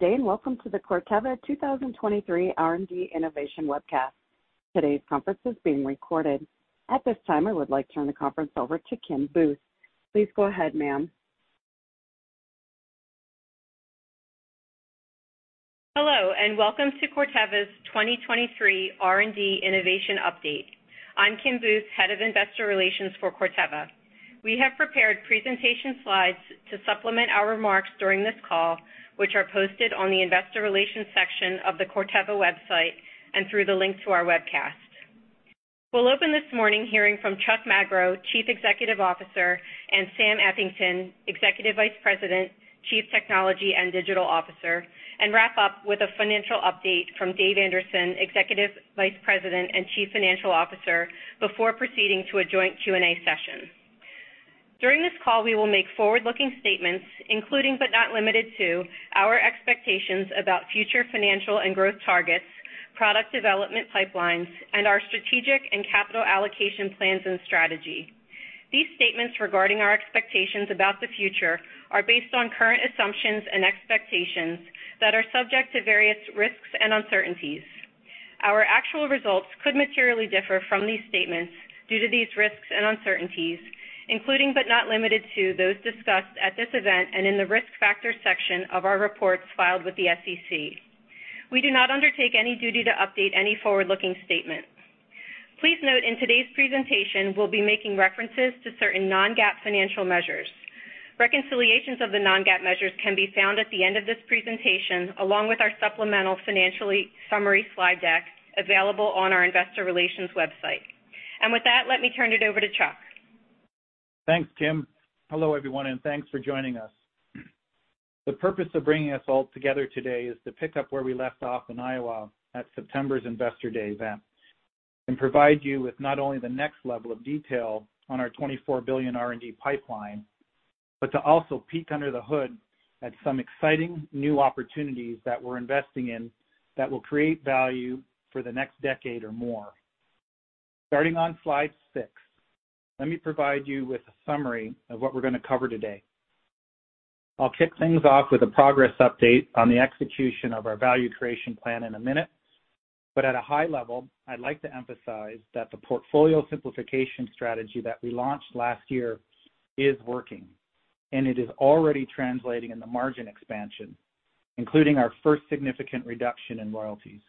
Good day. Welcome to the Corteva 2023 R&D Innovation webcast. Today's conference is being recorded. At this time, I would like to turn the conference over to Kim Booth. Please go ahead, ma'am. Hello, welcome to Corteva's 2023 R&D Innovation update. I'm Kim Booth, Head of Investor Relations for Corteva. We have prepared presentation slides to supplement our remarks during this call, which are posted on the Investor Relations section of the Corteva website and through the link to our webcast. We'll open this morning hearing from Chuck Magro, Chief Executive Officer, and Sam Eathington, Executive Vice President, Chief Technology and Digital Officer, and wrap up with a financial update from Dave Anderson, Executive Vice President and Chief Financial Officer, before proceeding to a joint Q&A session. During this call, we will make forward-looking statements, including, but not limited to, our expectations about future financial and growth targets, product development pipelines, and our strategic and capital allocation plans and strategy. These statements regarding our expectations about the future are based on current assumptions and expectations that are subject to various risks and uncertainties. Our actual results could materially differ from these statements due to these risks and uncertainties, including, but not limited to, those discussed at this event and in the Risk Factors section of our reports filed with the SEC. We do not undertake any duty to update any forward-looking statements. Please note in today's presentation, we'll be making references to certain non-GAAP financial measures. Reconciliations of the non-GAAP measures can be found at the end of this presentation, along with our supplemental financially summary slide deck available on our investor relations website. With that, let me turn it over to Chuck. Thanks, Kim. Hello, everyone, and thanks for joining us. The purpose of bringing us all together today is to pick up where we left off in Iowa at September's Investor Day event and provide you with not only the next level of detail on our $24 billion R&D pipeline, but to also peek under the hood at some exciting new opportunities that we're investing in that will create value for the next decade or more. Starting on slide 6, let me provide you with a summary of what we're gonna cover today. I'll kick things off with a progress update on the execution of our value creation plan in a minute. At a high level, I'd like to emphasize that the portfolio simplification strategy that we launched last year is working, and it is already translating in the margin expansion, including our first significant reduction in royalties.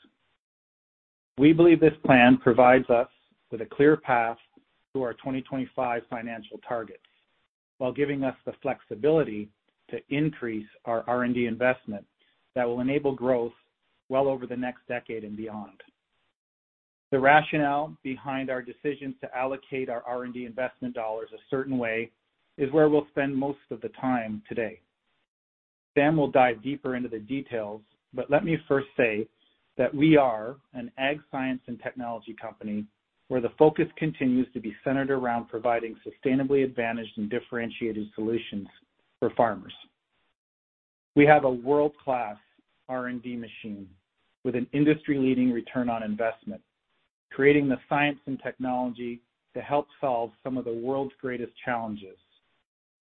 We believe this plan provides us with a clear path to our 2025 financial targets while giving us the flexibility to increase our R&D investment that will enable growth well over the next decade and beyond. The rationale behind our decision to allocate our R&D investment dollars a certain way is where we'll spend most of the time today. Sam will dive deeper into the details, but let me first say that we are an ag science and technology company where the focus continues to be centered around providing sustainably advantaged and differentiated solutions for farmers. We have a world-class R&D machine with an industry-leading return on investment, creating the science and technology to help solve some of the world's greatest challenges,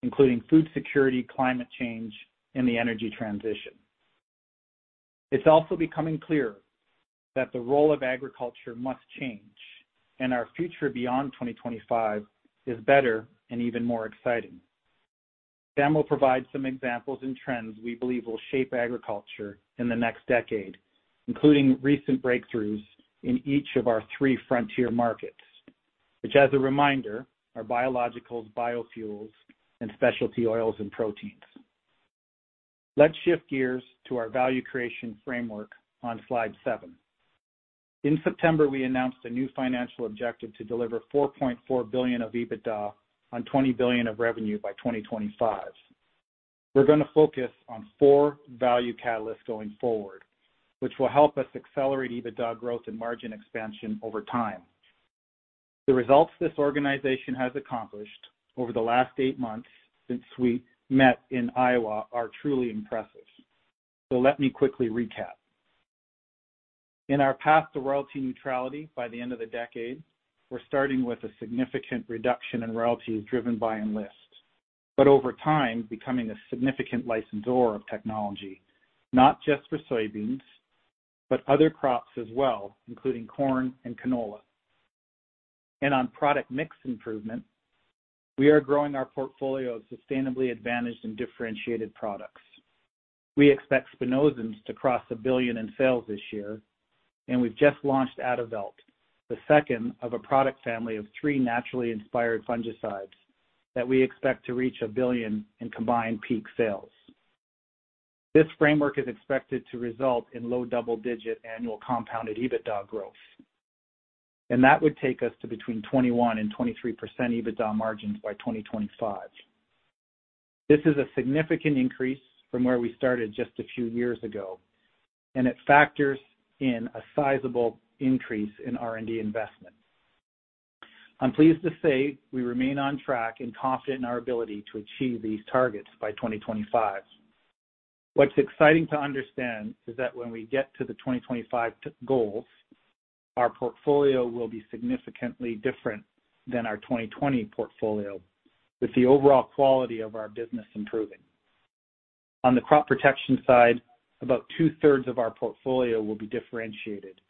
including food security, climate change, and the energy transition. It's also becoming clear that the role of agriculture must change, and our future beyond 2025 is better and even more exciting. Sam will provide some examples and trends we believe will shape agriculture in the next decade, including recent breakthroughs in each of our three frontier markets, which, as a reminder, are biologicals, biofuels, and specialty oils and proteins. Let's shift gears to our value creation framework on slide seven. In September, we announced a new financial objective to deliver $4.4 billion of EBITDA on $20 billion of revenue by 2025. We're gonna focus on four value catalysts going forward, which will help us accelerate EBITDA growth and margin expansion over time. The results this organization has accomplished over the last eight months since we met in Iowa are truly impressive. Let me quickly recap. In our path to royalty neutrality by the end of the decade, we're starting with a significant reduction in royalties driven by Enlist, but over time, becoming a significant licensor of technology, not just for soybeans, but other crops as well, including corn and canola. On product mix improvement, we are growing our portfolio of sustainably advantaged and differentiated products. We expect spinosyns to cross $1 billion in sales this year, and we've just launched Adavelt, the second of a product family of three naturally inspired fungicides that we expect to reach $1 billion in combined peak sales. This framework is expected to result in low double-digit annual compounded EBITDA growth, and that would take us to between 21% and 23% EBITDA margins by 2025. This is a significant increase from where we started just a few years ago. It factors in a sizable increase in R&D investment. I'm pleased to say we remain on track and confident in our ability to achieve these targets by 2025. What's exciting to understand is that when we get to the 2025 goals, our portfolio will be significantly different than our 2020 portfolio, with the overall quality of our business improving. On the crop protection side, about two-thirds of our portfolio will be differentiated,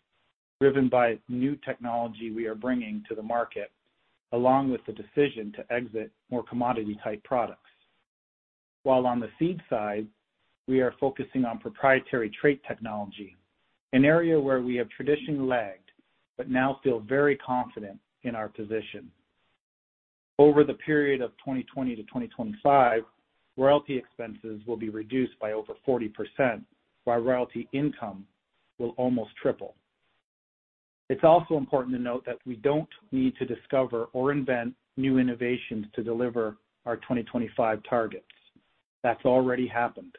driven by new technology we are bringing to the market, along with the decision to exit more commodity-type products. While on the seed side, we are focusing on proprietary trait technology, an area where we have traditionally lagged, but now feel very confident in our position. Over the period of 2020 to 2025, royalty expenses will be reduced by over 40%, while royalty income will almost triple. It's also important to note that we don't need to discover or invent new innovations to deliver our 2025 targets. That's already happened.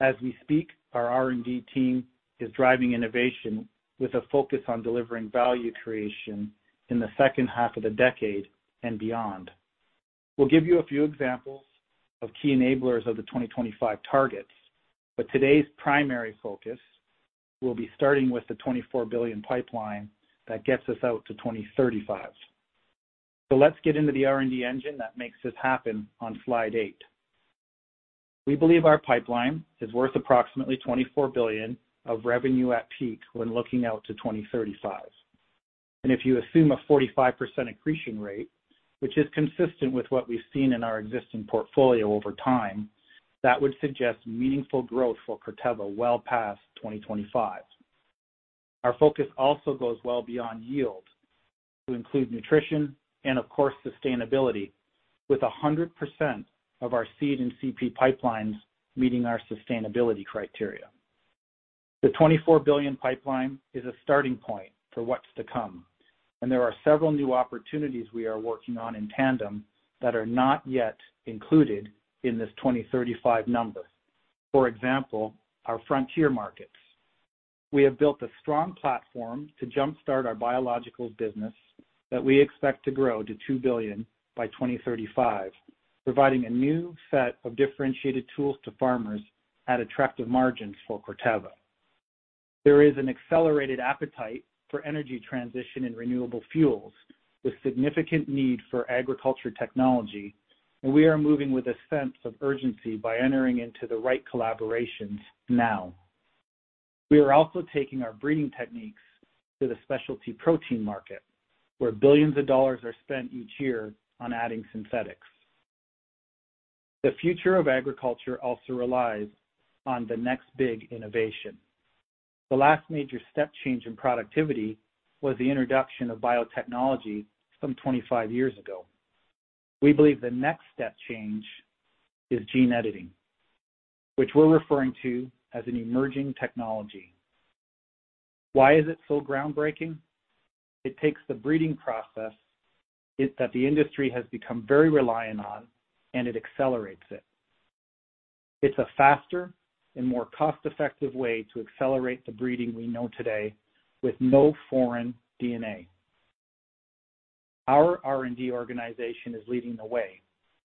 As we speak, our R&D team is driving innovation with a focus on delivering value creation in the second half of the decade and beyond. We'll give you a few examples of key enablers of the 2025 targets, but today's primary focus will be starting with the $24 billion pipeline that gets us out to 2035. Let's get into the R&D engine that makes this happen on Slide 8. We believe our pipeline is worth approximately $24 billion of revenue at peak when looking out to 2035. If you assume a 45% accretion rate, which is consistent with what we've seen in our existing portfolio over time, that would suggest meaningful growth for Corteva well past 2025. Our focus also goes well beyond yield to include nutrition and of course, sustainability with 100% of our seed and CP pipelines meeting our sustainability criteria. The $24 billion pipeline is a starting point for what's to come, and there are several new opportunities we are working on in tandem that are not yet included in this 2035 number. For example, our frontier markets. We have built a strong platform to jumpstart our biologicals business that we expect to grow to $2 billion by 2035, providing a new set of differentiated tools to farmers at attractive margins for Corteva. There is an accelerated appetite for energy transition in renewable fuels with significant need for agriculture technology. We are moving with a sense of urgency by entering into the right collaborations now. We are also taking our breeding techniques to the specialty protein market, where billions of dollars are spent each year on adding synthetics. The future of agriculture also relies on the next big innovation. The last major step change in productivity was the introduction of biotechnology some 25 years ago. We believe the next step change is gene editing, which we're referring to as an emerging technology. Why is it so groundbreaking? It takes the breeding process that the industry has become very reliant on, and it accelerates it. It's a faster and more cost-effective way to accelerate the breeding we know today with no foreign DNA. Our R&D organization is leading the way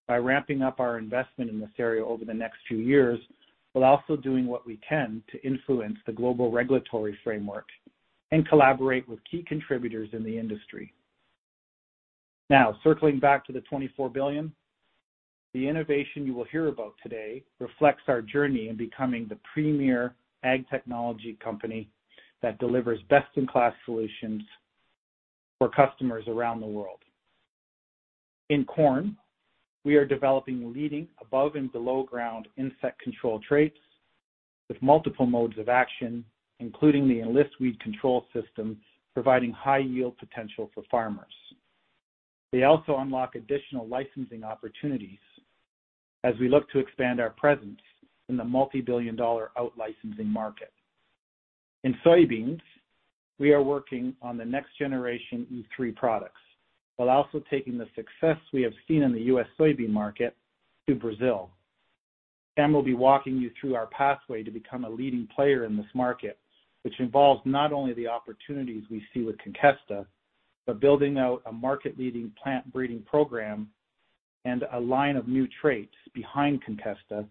by ramping up our investment in this area over the next few years, while also doing what we can to influence the global regulatory framework and collaborate with key contributors in the industry. Now, circling back to the $24 billion. The innovation you will hear about today reflects our journey in becoming the premier ag technology company that delivers best-in-class solutions for customers around the world. In corn, we are developing leading above and below ground insect control traits with multiple modes of action, including the Enlist weed control system, providing high-yield potential for farmers. They also unlock additional licensing opportunities as we look to expand our presence in the multi-billion-dollar out-licensing market. In soybeans, we are working on the next generation E3 products, while also taking the success we have seen in the U.S. soybean market to Brazil. Sam will be walking you through our pathway to become a leading player in this market, which involves not only the opportunities we see with Conkesta, but building out a market-leading plant breeding program and a line of new traits behind Conkesta,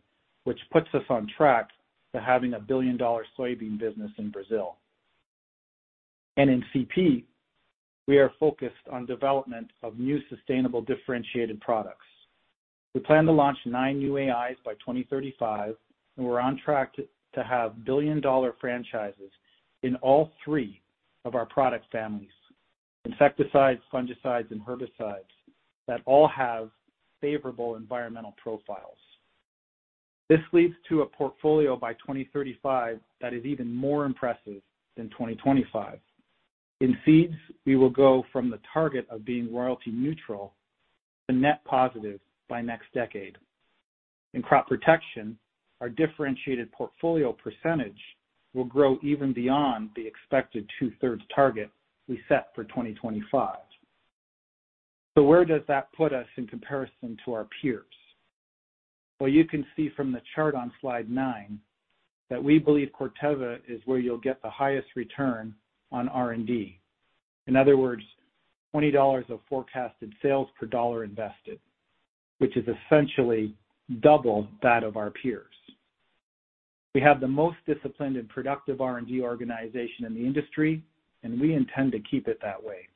which puts us on track to having a billion-dollar soybean business in Brazil. In CP, we are focused on development of new, sustainable, differentiated products. We plan to launch nine new AIs by 2035, we're on track to have billion-dollar franchises in all three of our product families: insecticides, fungicides, and herbicides that all have favorable environmental profiles. This leads to a portfolio by 2035 that is even more impressive than 2025. In seeds, we will go from the target of being royalty neutral to net positive by next decade. In crop protection, our differentiated portfolio % will grow even beyond the expected two-thirds target we set for 2025. Where does that put us in comparison to our peers? Well, you can see from the chart on Slide 9 that we believe Corteva is where you'll get the highest return on R&D. In other words, $20 of forecasted sales per dollar invested, which is essentially double that of our peers. We have the most disciplined and productive R&D organization in the industry, and we intend to keep it that way.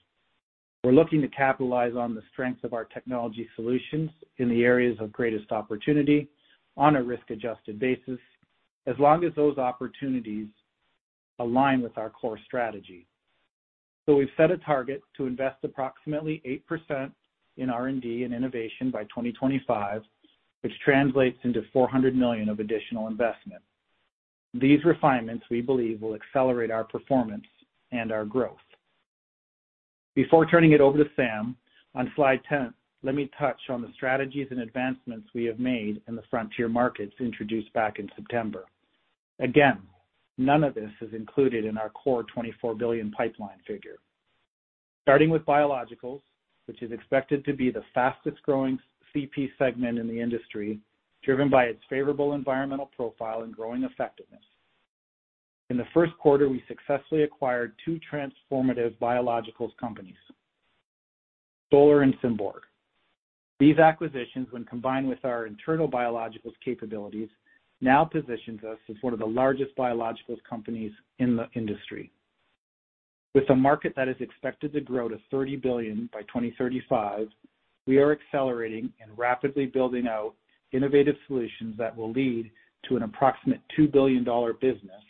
We're looking to capitalize on the strength of our technology solutions in the areas of greatest opportunity on a risk-adjusted basis, as long as those opportunities align with our core strategy. We've set a target to invest approximately 8% in R&D and innovation by 2025, which translates into $400 million of additional investment. These refinements, we believe, will accelerate our performance and our growth. Before turning it over to Sam, on slide 10, let me touch on the strategies and advancements we have made in the frontier markets introduced back in September. Again, none of this is included in our core $24 billion pipeline figure. Starting with biologicals, which is expected to be the fastest-growing CP segment in the industry, driven by its favorable environmental profile and growing effectiveness. In the first quarter, we successfully acquired two transformative biologicals companies, Stoller and Symborg. These acquisitions, when combined with our internal biologicals capabilities, now positions us as one of the largest biologicals companies in the industry. With a market that is expected to grow to $30 billion by 2035, we are accelerating and rapidly building out innovative solutions that will lead to an approximate $2 billion business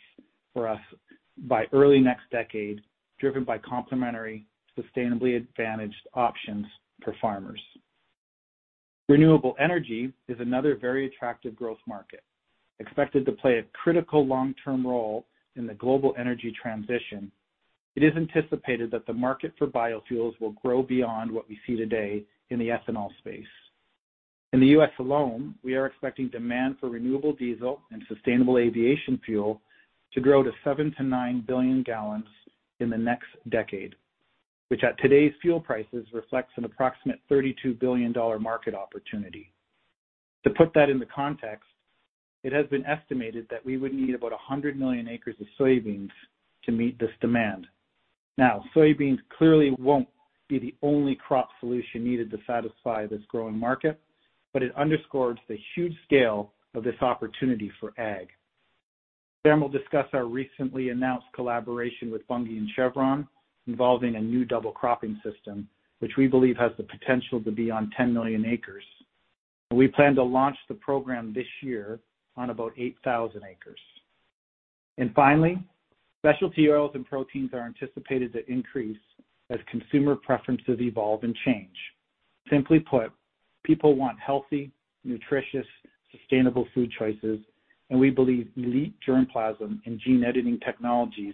for us by early next decade, driven by complementary, sustainably advantaged options for farmers. Renewable energy is another very attractive growth market. Expected to play a critical long-term role in the global energy transition, it is anticipated that the market for biofuels will grow beyond what we see today in the ethanol space. In the U.S. alone, we are expecting demand for renewable diesel and sustainable aviation fuel to grow to seven to nine billion gallons in the next decade, which at today's fuel prices reflects an approximate $32 billion market opportunity. To put that into context, it has been estimated that we would need about 100 million acres of soybeans to meet this demand. Now, soybeans clearly won't be the only crop solution needed to satisfy this growing market, but it underscores the huge scale of this opportunity for ag. Sam will discuss our recently announced collaboration with Bunge and Chevron involving a new double cropping system, which we believe has the potential to be on 10 million acres. We plan to launch the program this year on about 8,000 acres. Finally, specialty oils and proteins are anticipated to increase as consumer preferences evolve and change. Simply put, people want healthy, nutritious, sustainable food choices, and we believe elite germplasm and gene editing technologies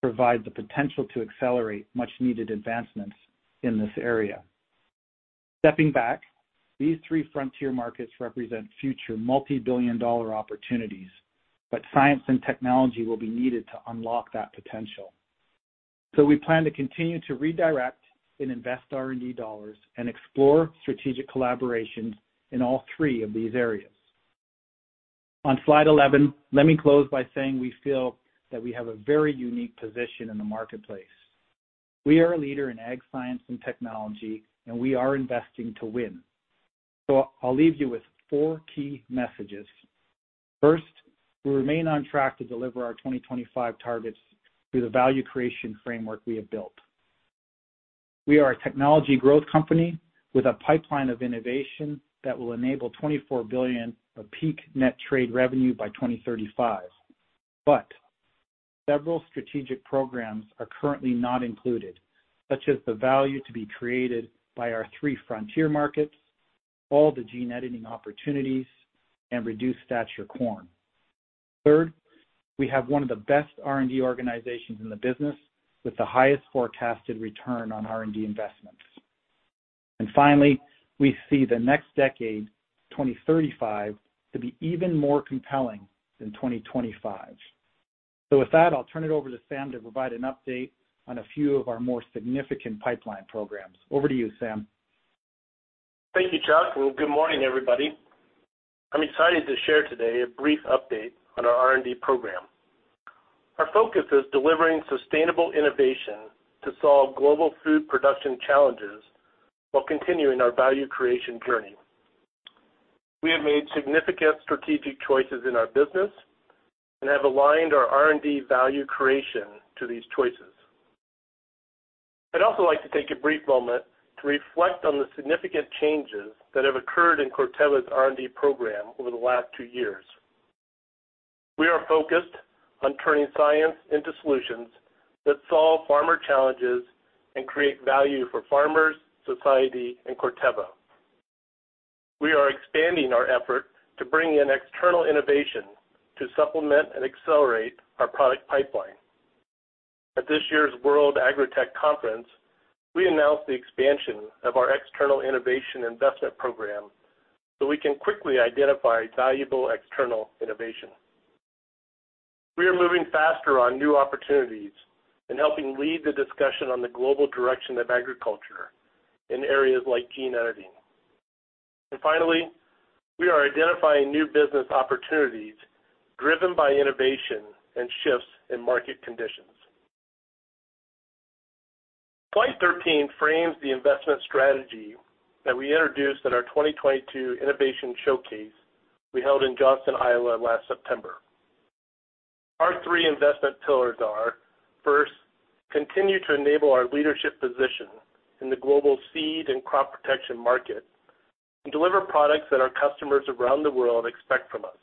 provide the potential to accelerate much-needed advancements in this area. Stepping back, these three frontier markets represent future multi-billion dollar opportunities, but science and technology will be needed to unlock that potential. We plan to continue to redirect and invest R&D dollars and explore strategic collaborations in all three of these areas. On slide 11, let me close by saying we feel that we have a very unique position in the marketplace. We are a leader in ag science and technology, and we are investing to win. I'll leave you with four key messages. First, we remain on track to deliver our 2025 targets through the value creation framework we have built. We are a technology growth company with a pipeline of innovation that will enable $24 billion of peak net trade revenue by 2035. Several strategic programs are currently not included, such as the value to be created by our three frontier markets, all the gene editing opportunities, and reduced stature corn. Third, we have one of the best R&D organizations in the business with the highest forecasted return on R&D investments. Finally, we see the next decade, 2035, to be even more compelling than 2025. With that, I'll turn it over to Sam to provide an update on a few of our more significant pipeline programs. Over to you, Sam. Thank you, Chuck. Good morning, everybody. I'm excited to share today a brief update on our R&D program. Our focus is delivering sustainable innovation to solve global food production challenges while continuing our value creation journey. We have made significant strategic choices in our business and have aligned our R&D value creation to these choices. I'd also like to take a brief moment to reflect on the significant changes that have occurred in Corteva's R&D program over the last two years. We are focused on turning science into solutions that solve farmer challenges and create value for farmers, society, and Corteva. We are expanding our effort to bring in external innovation to supplement and accelerate our product pipeline. At this year's World Agri-Tech Conference, we announced the expansion of our external innovation investment program so we can quickly identify valuable external innovation. We are moving faster on new opportunities and helping lead the discussion on the global direction of agriculture in areas like gene editing. Finally, we are identifying new business opportunities driven by innovation and shifts in market conditions. Slide 13 frames the investment strategy that we introduced at our 2022 innovation showcase we held in Johnston, Iowa last September. Our three investment pillars are, first, continue to enable our leadership position in the global seed and crop protection market and deliver products that our customers around the world expect from us.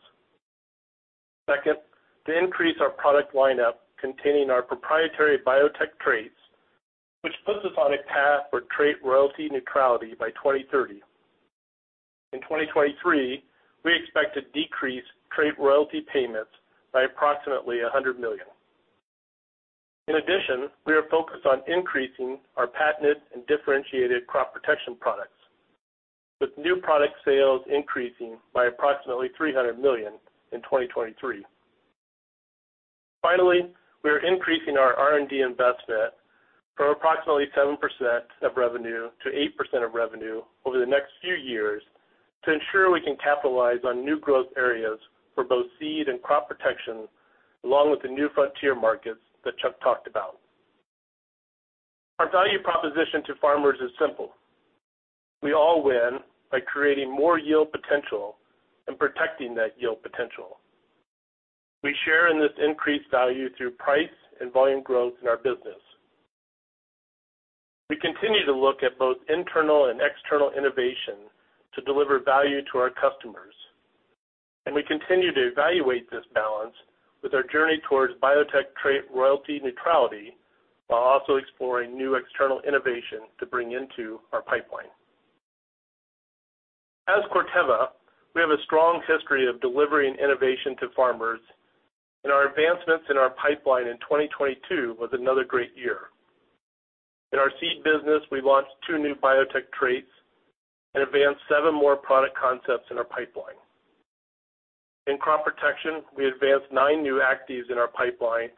Second, to increase our product lineup containing our proprietary biotech traits, which puts us on a path for trait royalty neutrality by 2030. In 2023, we expect to decrease trait royalty payments by approximately $100 million. In addition, we are focused on increasing our patented and differentiated crop protection products, with new product sales increasing by approximately $300 million in 2023. Finally, we are increasing our R&D investment from approximately 7% of revenue to 8% of revenue over the next few years to ensure we can capitalize on new growth areas for both seed and crop protection, along with the new frontier markets that Chuck talked about. Our value proposition to farmers is simple. We all win by creating more yield potential and protecting that yield potential. We share in this increased value through price and volume growth in our business. We continue to look at both internal and external innovation to deliver value to our customers, and we continue to evaluate this balance with our journey towards biotech trait royalty neutrality, while also exploring new external innovation to bring into our pipeline. As Corteva, we have a strong history of delivering innovation to farmers, and our advancements in our pipeline in 2022 was another great year. In our seed business, we launched two new biotech traits and advanced seven more product concepts in our pipeline. In crop protection, we advanced nine new actives in our pipeline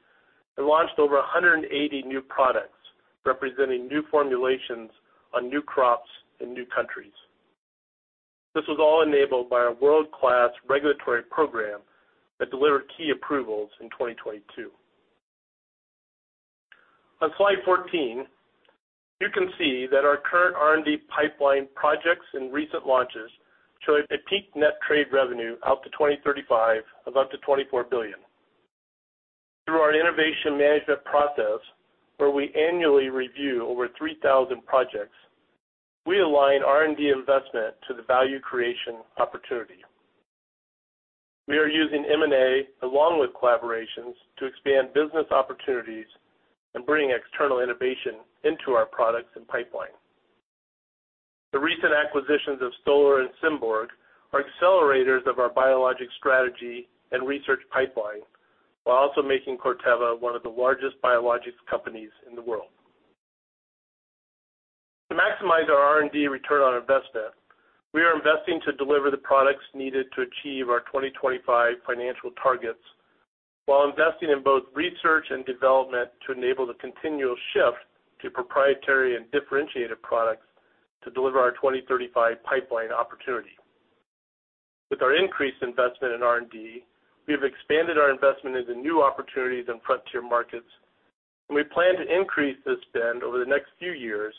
and launched over 180 new products, representing new formulations on new crops in new countries. This was all enabled by our world-class regulatory program that delivered key approvals in 2022. On slide 14, you can see that our current R&D pipeline projects and recent launches show a peak net trade revenue out to 2035 of up to $24 billion. Through our innovation management process, where we annually review over 3,000 projects, we align R&D investment to the value creation opportunity. We are using M&A along with collaborations to expand business opportunities and bring external innovation into our products and pipeline. The recent acquisitions of Stoller and Symborg are accelerators of our biologic strategy and research pipeline, while also making Corteva one of the largest biologics companies in the world. To maximize our R&D return on investment, we are investing to deliver the products needed to achieve our 2025 financial targets while investing in both research and development to enable the continual shift to proprietary and differentiated products to deliver our 2035 pipeline opportunity. With our increased investment in R&D, we have expanded our investment into new opportunities in frontier markets, and we plan to increase this spend over the next few years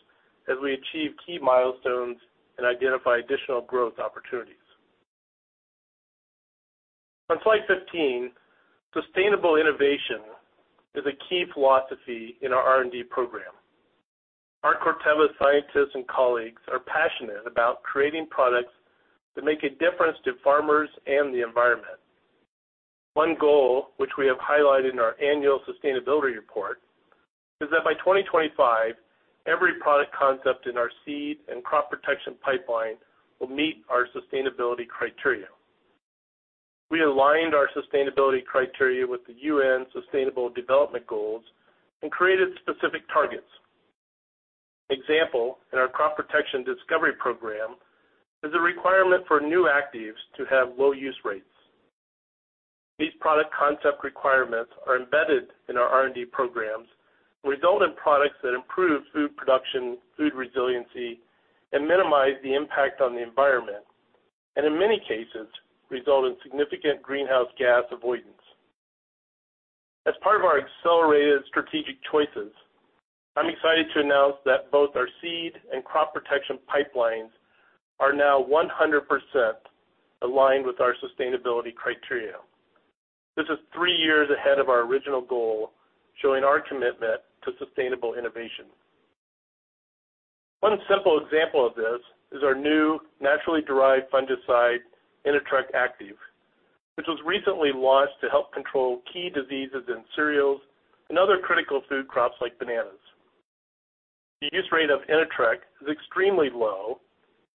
as we achieve key milestones and identify additional growth opportunities. On slide 15, sustainable innovation is a key philosophy in our R&D program. Our Corteva scientists and colleagues are passionate about creating products that make a difference to farmers and the environment. One goal, which we have highlighted in our annual sustainability report, is that by 2025, every product concept in our seed and crop protection pipeline will meet our sustainability criteria. We aligned our sustainability criteria with the UN Sustainable Development Goals and created specific targets. Example, in our crop protection discovery program is a requirement for new actives to have low use rates. These product concept requirements are embedded in our R&D programs, result in products that improve food production, food resiliency, and minimize the impact on the environment, and in many cases, result in significant greenhouse gas avoidance. As part of our accelerated strategic choices, I'm excited to announce that both our seed and crop protection pipelines are now 100% aligned with our sustainability criteria. This is three years ahead of our original goal, showing our commitment to sustainable innovation. One simple example of this is our new naturally derived fungicide, Inatreq Active, which was recently launched to help control key diseases in cereals and other critical food crops like bananas. The use rate of Inatreq is extremely low,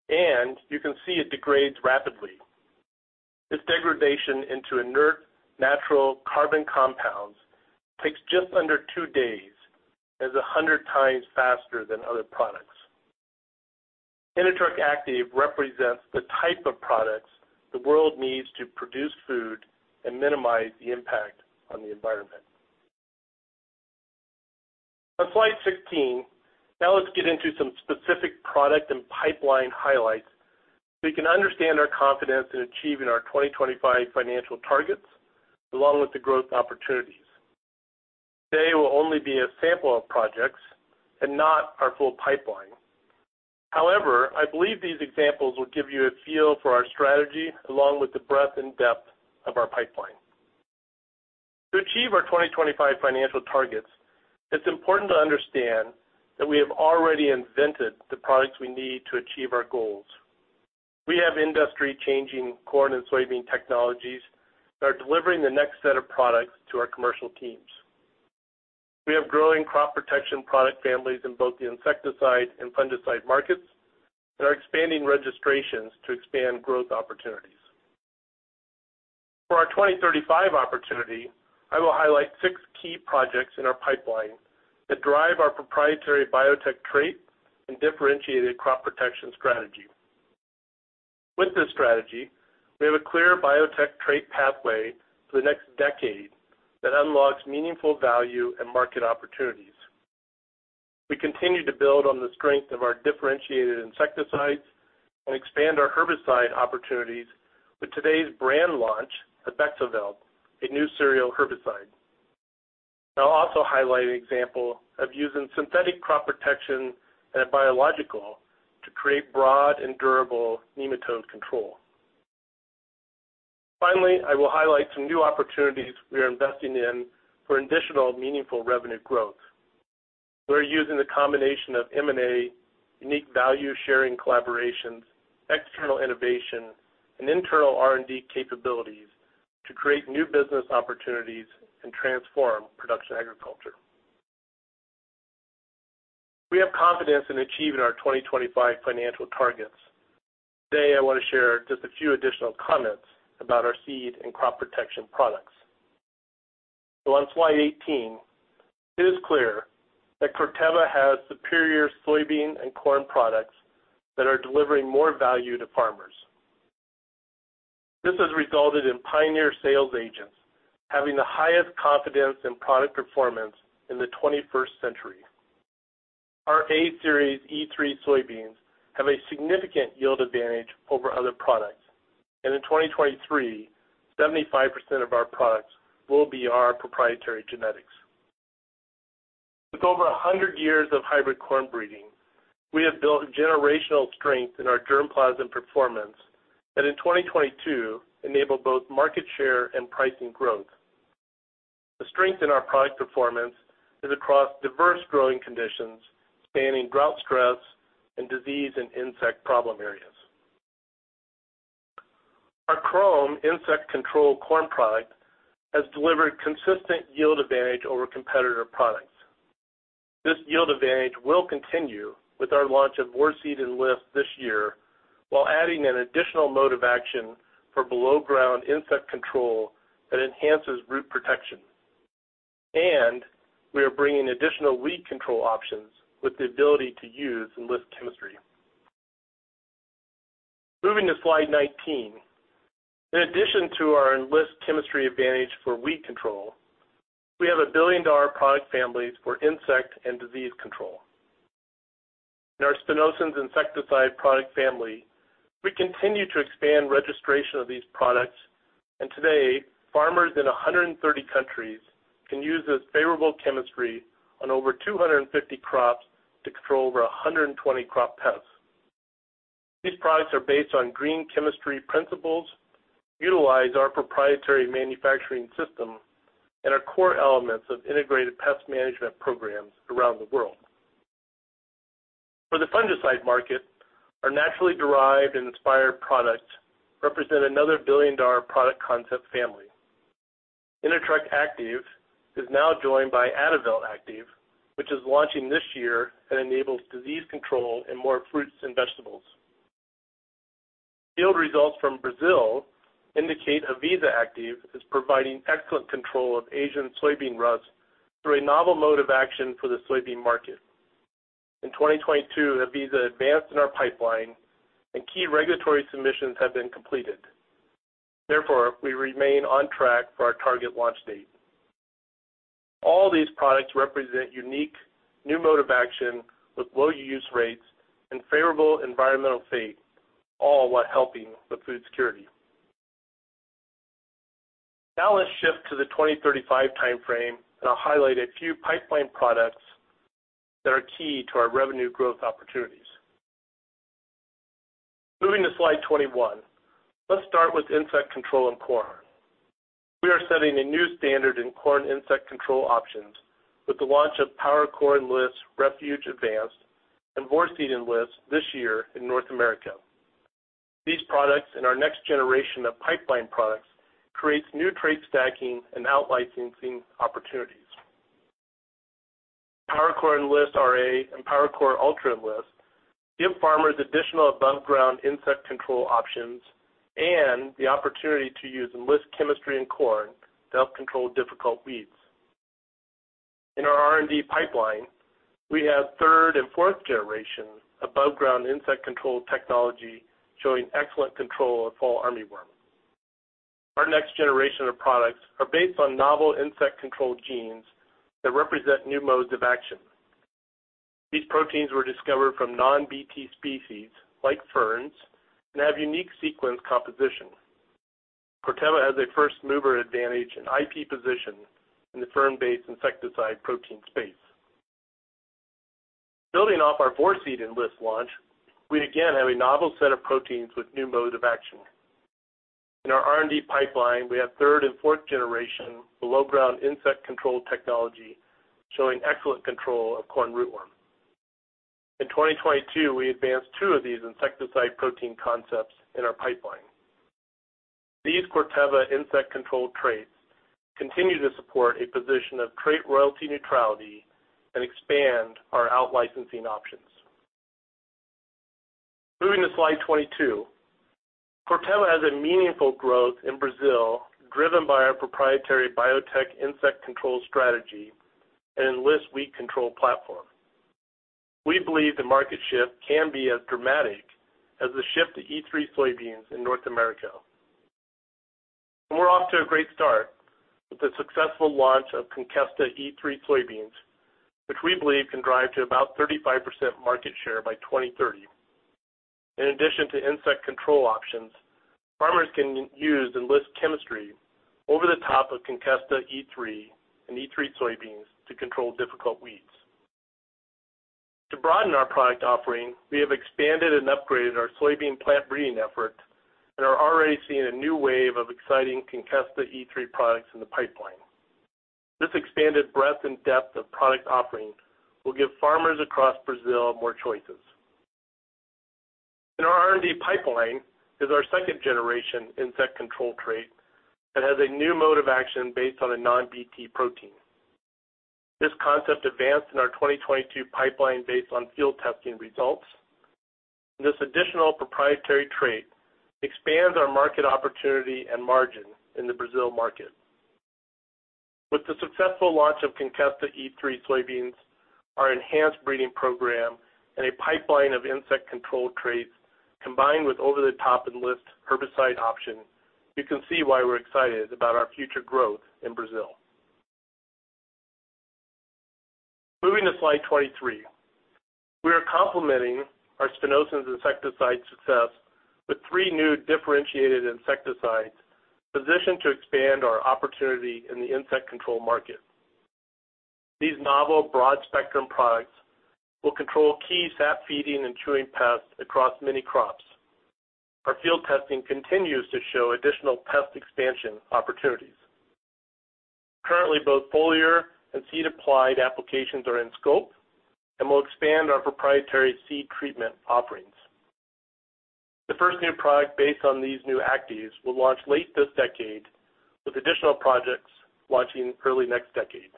and you can see it degrades rapidly. This degradation into inert natural carbon compounds takes just under two days. That's 100 times faster than other products. Inatreq active represents the type of products the world needs to produce food and minimize the impact on the environment. On slide 16, now let's get into some specifics: Product and pipeline highlights, so you can understand our confidence in achieving our 2025 financial targets along with the growth opportunities. Today will only be a sample of projects and not our full pipeline. However, I believe these examples will give you a feel for our strategy along with the breadth and depth of our pipeline. To achieve our 2025 financial targets, it's important to understand that we have already invented the products we need to achieve our goals. We have industry changing corn and soybean technologies that are delivering the next set of products to our commercial teams. We have growing crop protection product families in both the insecticide and fungicide markets, are expanding registrations to expand growth opportunities. For our 2035 opportunity, I will highlight six key projects in our pipeline that drive our proprietary biotech trait and differentiated crop protection strategy. With this strategy, we have a clear biotech trait pathway for the next decade that unlocks meaningful value and market opportunities. We continue to build on the strength of our differentiated insecticides and expand our herbicide opportunities with today's brand launch, Bexoveld, a new cereal herbicide. I'll also highlight an example of using synthetic crop protection and a biological to create broad and durable nematode control. Finally, I will highlight some new opportunities we are investing in for additional meaningful revenue growth. We're using the combination of M&A, unique value-sharing collaborations, external innovation, and internal R&D capabilities to create new business opportunities and transform production agriculture. We have confidence in achieving our 2025 financial targets. Today, I want to share just a few additional comments about our seed and crop protection products. On slide 18, it is clear that Corteva has superior soybean and corn products that are delivering more value to farmers. This has resulted in Pioneer sales agents having the highest confidence in product performance in the 21st century. Our A-Series E3 soybeans have a significant yield advantage over other products, and in 2023, 75% of our products will be our proprietary genetics. With over 100 years of hybrid corn breeding, we have built generational strength in our germplasm performance that in 2022 enabled both market share and pricing growth. The strength in our product performance is across diverse growing conditions, spanning drought stress and disease and insect problem areas. Our Qrome insect control corn product has delivered consistent yield advantage over competitor products. This yield advantage will continue with our launch of Vorceed Enlist this year, while adding an additional mode of action for below-ground insect control that enhances root protection. We are bringing additional weed control options with the ability to use Enlist chemistry. Moving to slide 19. In addition to our Enlist chemistry advantage for weed control, we have a billion-dollar product families for insect and disease control. In our spinosyns insecticide product family, we continue to expand registration of these products, and today, farmers in 130 countries can use this favorable chemistry on over 250 crops to control over 120 crop pests. These products are based on green chemistry principles, utilize our proprietary manufacturing system and are core elements of integrated pest management programs around the world. For the fungicide market, our naturally derived and inspired products represent another billion-dollar product concept family. Inatreq active is now joined by Adavelt active, which is launching this year and enables disease control in more fruits and vegetables. Field results from Brazil indicate Adavelt active is providing excellent control of Asian soybean rust through a novel mode of action for the soybean market. In 2022, Avisa advanced in our pipeline and key regulatory submissions have been completed. Therefore, we remain on track for our target launch date. All these products represent unique new mode of action with low use rates and favorable environmental fate, all while helping with food security. Now let's shift to the 2035 timeframe, and I'll highlight a few pipeline products that are key to our revenue growth opportunities. Moving to slide 21. Let's start with insect control in corn. We are setting a new standard in corn insect control options with the launch of PowerCore Enlist Refuge Advanced and Vorceed Enlist this year in North America. These products and our next generation of pipeline products creates new trait stacking and out-licensing opportunities. PowerCore Enlist RA and PowerCore Ultra Enlist give farmers additional above-ground insect control options and the opportunity to use Enlist chemistry in corn to help control difficult weeds. In our R&D pipeline, we have third and fourth generation above-ground insect control technology showing excellent control of fall armyworm. Our next generation of products are based on novel insect control genes that represent new modes of action. These proteins were discovered from non-BT species like ferns, and have unique sequence composition. Corteva has a first-mover advantage in IP position in the fern-based insecticide protein space. Building off our Vorceed Enlist launch, we again have a novel set of proteins with new mode of action. In our R&D pipeline, we have third and fourth generation below ground insect control technology showing excellent control of corn rootworm. In 2022, we advanced two of these insecticide protein concepts in our pipeline. These Corteva insect control traits continue to support a position of trait royalty neutrality and expand our out-licensing options. Moving to slide 22. Corteva has a meaningful growth in Brazil, driven by our proprietary biotech insect control strategy and Enlist wheat control platform. We believe the market shift can be as dramatic as the shift to E3 soybeans in North America. We're off to a great start with the successful launch of Conkesta E3 soybeans, which we believe can drive to about 35% market share by 2030. In addition to insect control options, farmers can use Enlist chemistry over the top of Conkesta E3 and E3 soybeans to control difficult weeds. To broaden our product offering, we have expanded and upgraded our soybean plant breeding efforts and are already seeing a new wave of exciting Conkesta E3 products in the pipeline. This expanded breadth and depth of product offering will give farmers across Brazil more choices. In our R&D pipeline is our second-generation insect control trait that has a new mode of action based on a non-BT protein. This concept advanced in our 2022 pipeline based on field testing results. This additional proprietary trait expands our market opportunity and margin in the Brazil market. With the successful launch of Conkesta E3 soybeans, our enhanced breeding program, and a pipeline of insect control traits, combined with over-the-top Enlist herbicide option, you can see why we're excited about our future growth in Brazil. Moving to slide 23. We are complementing our Spinosad's insecticide success with three new differentiated insecticides positioned to expand our opportunity in the insect control market. These novel broad-spectrum products will control key sap-feeding and chewing pests across many crops. Our field testing continues to show additional pest expansion opportunities. Currently, both foliar and seed-applied applications are in scope, and we'll expand our proprietary seed treatment offerings. The first new product based on these new actives will launch late this decade, with additional projects launching early next decade.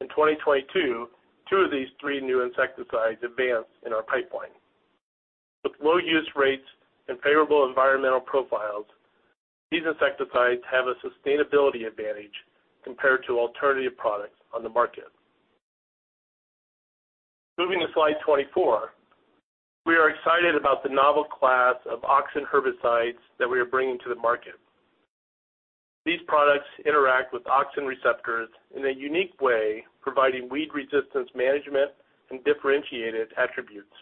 In 2022, two of these three new insecticides advanced in our pipeline. With low use rates and favorable environmental profiles, these insecticides have a sustainability advantage compared to alternative products on the market. Moving to slide 24. We are excited about the novel class of auxin herbicides that we are bringing to the market. These products interact with auxin receptors in a unique way, providing weed resistance management and differentiated attributes.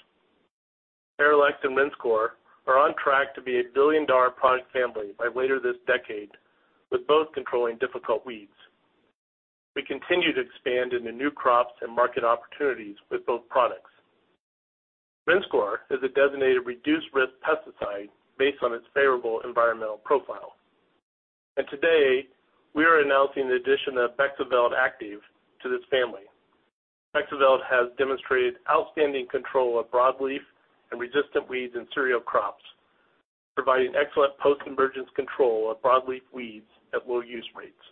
Arylex and Rinskor are on track to be a billion-dollar product family by later this decade, with both controlling difficult weeds. We continue to expand into new crops and market opportunities with both products. Rinskor is a designated reduced risk pesticide based on its favorable environmental profile. Today, we are announcing the addition of Bexoveld active to this family. Bexoveld has demonstrated outstanding control of broadleaf and resistant weeds in cereal crops, providing excellent post-emergence control of broadleaf weeds at low use rates.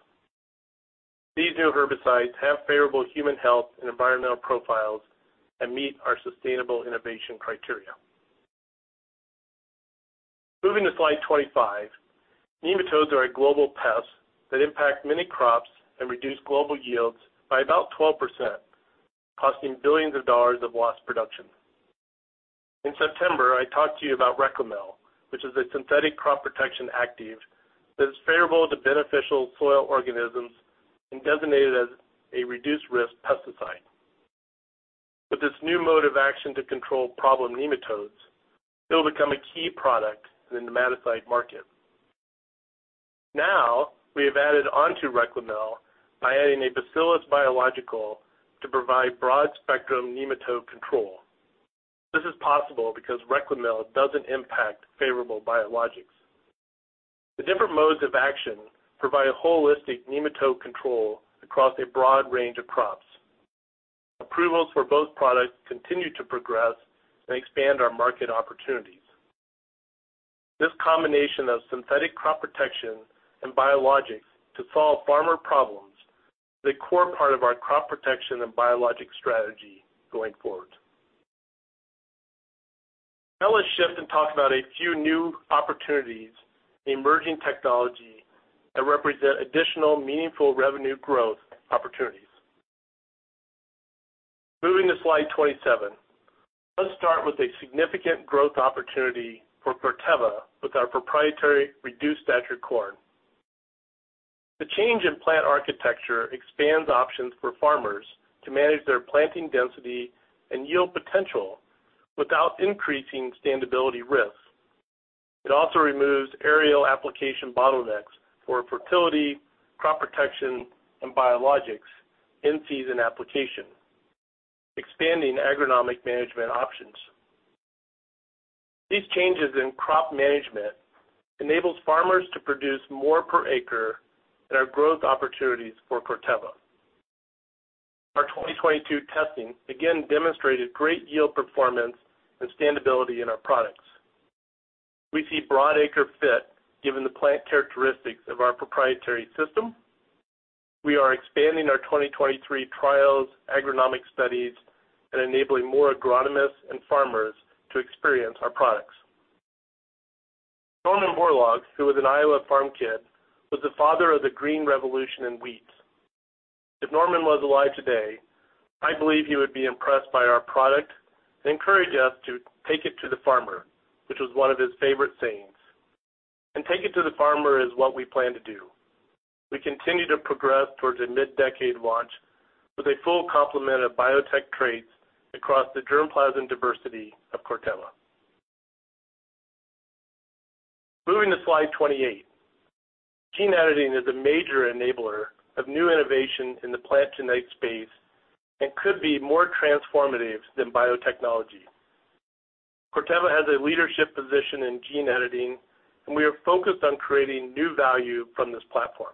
These new herbicides have favorable human health and environmental profiles and meet our sustainable innovation criteria. Moving to slide 25. Nematodes are a global pest that impact many crops and reduce global yields by about 12%, costing billions of dollars of lost production. In September, I talked to you about Reklemel, which is a synthetic crop protection active that is favorable to beneficial soil organisms and designated as a reduced-risk pesticide. With its new mode of action to control problem nematodes, it'll become a key product in the nematicide market. Now, we have added onto Reklemel by adding a Bacillus biological to provide broad-spectrum nematode control. This is possible because Reklemel doesn't impact favorable biologics. The different modes of action provide a holistic nematode control across a broad range of crops. Approvals for both products continue to progress and expand our market opportunities. This combination of synthetic crop protection and biologics to solve farmer problems is a core part of our crop protection and biologic strategy going forward. Let's shift and talk about a few new opportunities in emerging technology that represent additional meaningful revenue growth opportunities. Moving to slide 27. Let's start with a significant growth opportunity for Corteva with our proprietary reduced stature corn. The change in plant architecture expands options for farmers to manage their planting density and yield potential without increasing standability risks. It also removes aerial application bottlenecks for fertility, crop protection, and biologics in-season application, expanding agronomic management options. These changes in crop management enables farmers to produce more per acre and are growth opportunities for Corteva. Our 2022 testing again demonstrated great yield performance and standability in our products. We see broad acre fit given the plant characteristics of our proprietary system. We are expanding our 2023 trials, agronomic studies, and enabling more agronomists and farmers to experience our products. Norman Borlaug, who was an Iowa farm kid, was the father of the Green Revolution in wheat. If Norman was alive today, I believe he would be impressed by our product and encourage us to take it to the farmer, which was one of his favorite sayings. Take it to the farmer is what we plan to do. We continue to progress towards a mid-decade launch with a full complement of biotech traits across the germplasm diversity of Corteva. Moving to slide 28. Gene editing is a major enabler of new innovation in the plant gene edit space and could be more transformative than biotechnology. Corteva has a leadership position in gene editing, and we are focused on creating new value from this platform.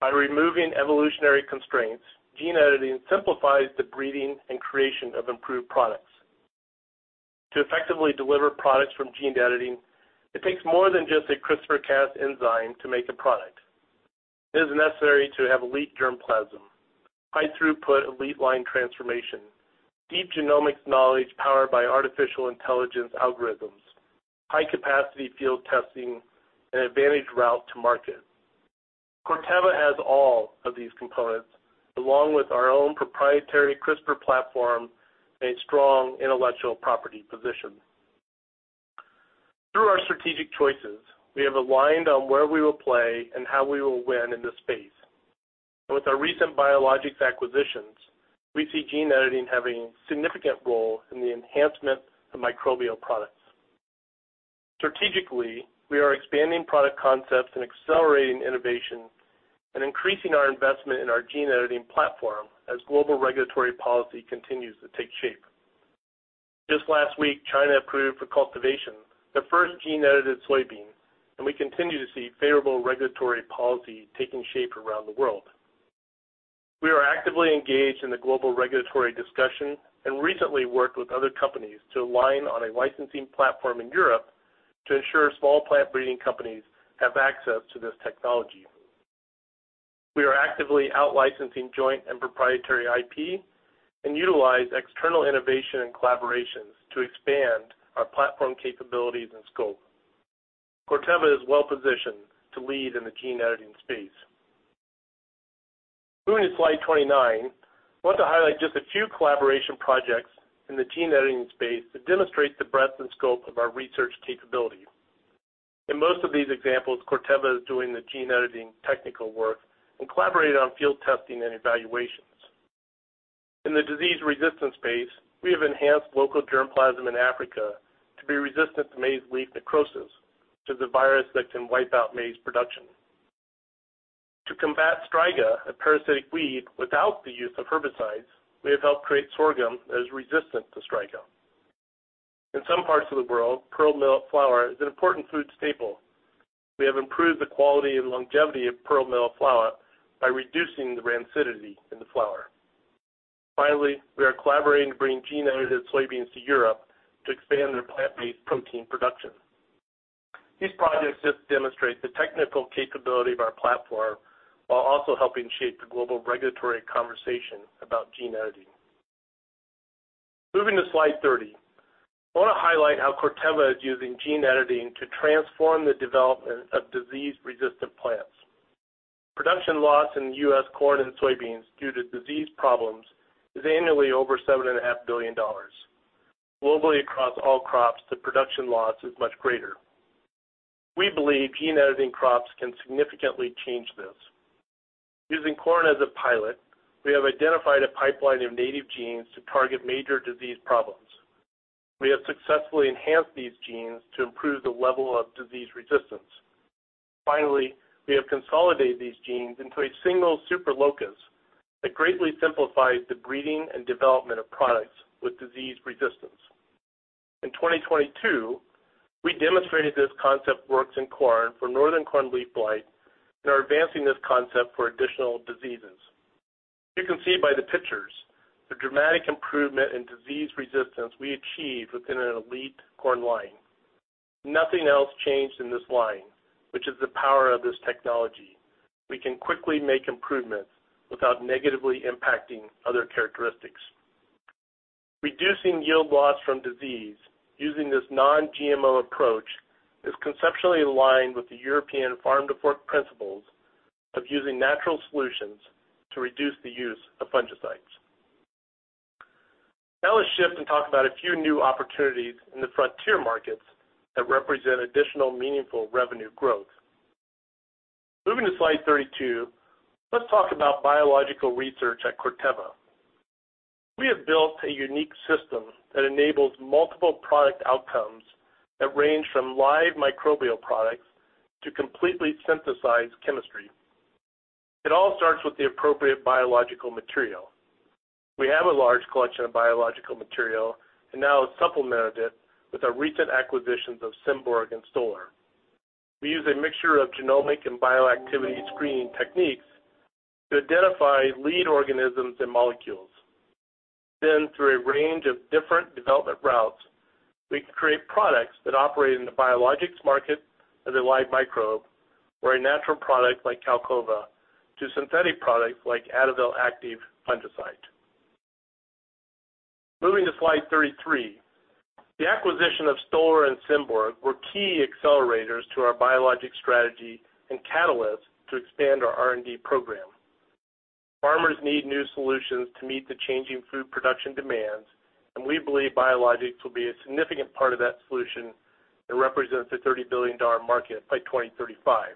By removing evolutionary constraints, gene editing simplifies the breeding and creation of improved products. To effectively deliver products from gene editing, it takes more than just a CRISPR-Cas enzyme to make a product. It is necessary to have elite germplasm, high throughput elite line transformation, deep genomics knowledge powered by artificial intelligence algorithms, high-capacity field testing, and advantage route to market. Corteva has all of these components along with our own proprietary CRISPR platform and a strong intellectual property position. Through our strategic choices, we have aligned on where we will play and how we will win in this space. With our recent biologics acquisitions, we see gene editing having a significant role in the enhancement of microbial products. Strategically, we are expanding product concepts and accelerating innovation and increasing our investment in our gene editing platform as global regulatory policy continues to take shape. Just last week, China approved for cultivation the first gene-edited soybean. We continue to see favorable regulatory policy taking shape around the world. We are actively engaged in the global regulatory discussion and recently worked with other companies to align on a licensing platform in Europe to ensure small plant breeding companies have access to this technology. We are actively out-licensing joint and proprietary IP and utilize external innovation and collaborations to expand our platform capabilities and scope. Corteva is well-positioned to lead in the gene editing space. Moving to slide 29. I want to highlight just a few collaboration projects in the gene editing space that demonstrate the breadth and scope of our research capabilities. In most of these examples, Corteva is doing the gene editing technical work and collaborated on field testing and evaluations. In the disease-resistant space, we have enhanced local germplasm in Africa to be resistant to maize lethal necrosis to the virus that can wipe out maize production. To combat striga, a parasitic weed, without the use of herbicides, we have helped create sorghum that is resistant to striga. In some parts of the world, pearl millet flour is an important food staple. We have improved the quality and longevity of pearl millet flour by reducing the rancidity in the flour. Finally, we are collaborating to bring gene-edited soybeans to Europe to expand their plant-based protein production. These projects just demonstrate the technical capability of our platform while also helping shape the global regulatory conversation about gene editing. Moving to slide 30. I want to highlight how Corteva is using gene editing to transform the development of disease-resistant plants. Production loss in U.S. corn and soybeans due to disease problems is annually over seven and a half billion dollars. Globally, across all crops, the production loss is much greater. We believe gene editing crops can significantly change this. Using corn as a pilot, we have identified a pipeline of native genes to target major disease problems. We have successfully enhanced these genes to improve the level of disease resistance. Finally, we have consolidated these genes into a single super locus that greatly simplifies the breeding and development of products with disease resistance. In 2022, we demonstrated this concept works in corn for northern corn leaf blight and are advancing this concept for additional diseases. You can see by the pictures the dramatic improvement in disease resistance we achieved within an elite corn line. Nothing else changed in this line, which is the power of this technology. We can quickly make improvements without negatively impacting other characteristics. Reducing yield loss from disease using this non-GMO approach is conceptually aligned with the European Farm to Fork principles of using natural solutions to reduce the use of fungicides. Now let's shift and talk about a few new opportunities in the frontier markets that represent additional meaningful revenue growth. Moving to slide 32, let's talk about biological research at Corteva. We have built a unique system that enables multiple product outcomes that range from live microbial products to completely synthesized chemistry. It all starts with the appropriate biological material. We have a large collection of biological material and now have supplemented it with our recent acquisitions of Symborg and Stoller. We use a mixture of genomic and bioactivity screening techniques to identify lead organisms and molecules. Through a range of different development routes, we can create products that operate in the biologics market as a live microbe or a natural product like Qalcova to synthetic products like Adavelt Active Fungicide. Moving to slide 33. The acquisition of Stoller and Symborg were key accelerators to our biologic strategy and catalyst to expand our R&D program. Farmers need new solutions to meet the changing food production demands, and we believe biologics will be a significant part of that solution that represents a $30 billion market by 2035.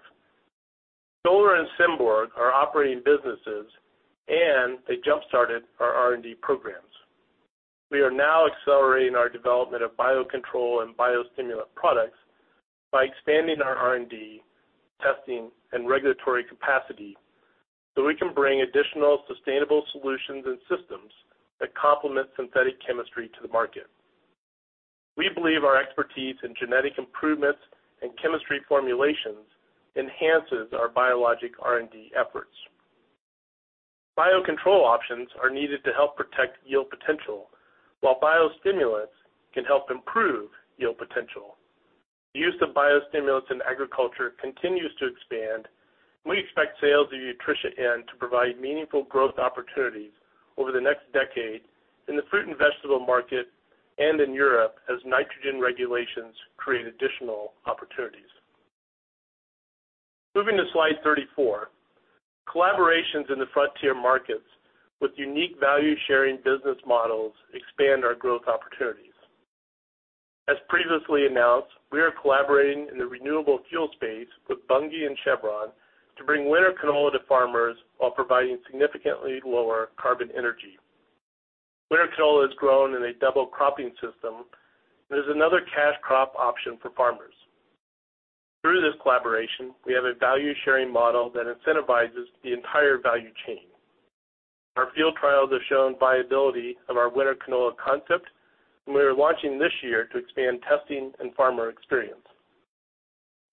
Stoller and Symborg are operating businesses, and they jump-started our R&D programs. We are now accelerating our development of biocontrol and biostimulant products by expanding our R&D testing and regulatory capacity, so we can bring additional sustainable solutions and systems that complement synthetic chemistry to the market. We believe our expertise in genetic improvements and chemistry formulations enhances our biologic R&D efforts. Biocontrol options are needed to help protect yield potential, while biostimulants can help improve yield potential. The use of biostimulants in agriculture continues to expand. We expect sales of Utrisha N to provide meaningful growth opportunities over the next decade in the fruit and vegetable market and in Europe as nitrogen regulations create additional opportunities. Moving to slide 34. Collaborations in the frontier markets with unique value-sharing business models expand our growth opportunities. As previously announced, we are collaborating in the renewable fuel space with Bunge and Chevron to bring winter canola to farmers while providing significantly lower carbon energy. Winter canola is grown in a double cropping system and is another cash crop option for farmers. Through this collaboration, we have a value-sharing model that incentivizes the entire value chain. Our field trials have shown viability of our winter canola concept. We are launching this year to expand testing and farmer experience.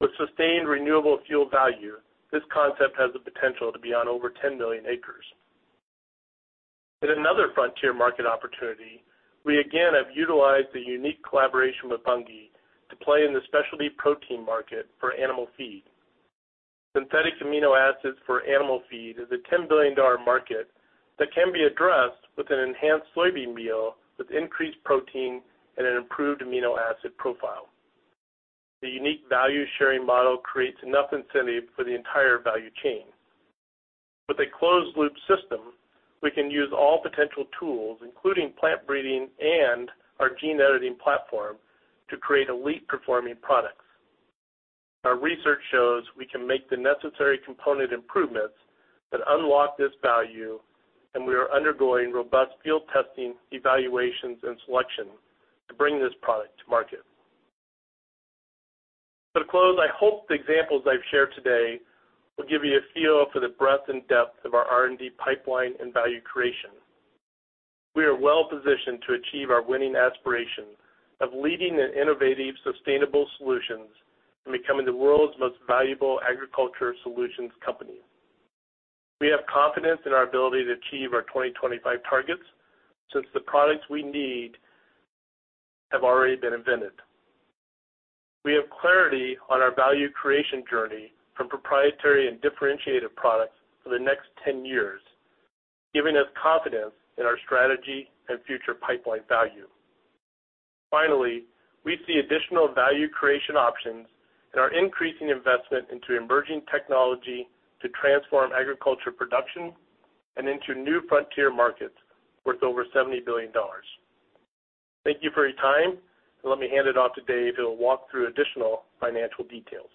With sustained renewable fuel value, this concept has the potential to be on over 10 million acres. In another frontier market opportunity, we again have utilized the unique collaboration with Bunge to play in the specialty protein market for animal feed. Synthetic amino acids for animal feed is a $10 billion market that can be addressed with an enhanced soybean meal with increased protein and an improved amino acid profile. The unique value-sharing model creates enough incentive for the entire value chain. With a closed-loop system, we can use all potential tools, including plant breeding and our gene editing platform, to create elite performing products. Our research shows we can make the necessary component improvements that unlock this value, and we are undergoing robust field testing, evaluations, and selection to bring this product to market. To close, I hope the examples I've shared today will give you a feel for the breadth and depth of our R&D pipeline and value creation. We are well-positioned to achieve our winning aspiration of leading in innovative, sustainable solutions and becoming the world's most valuable agriculture solutions company. We have confidence in our ability to achieve our 2025 targets since the products we need have already been invented. We have clarity on our value creation journey from proprietary and differentiated products for the next 10 years, giving us confidence in our strategy and future pipeline value. We see additional value creation options in our increasing investment into emerging technology to transform agriculture production and into new frontier markets worth over $70 billion. Thank you for your time. Let me hand it off to Dave, who'll walk through additional financial details.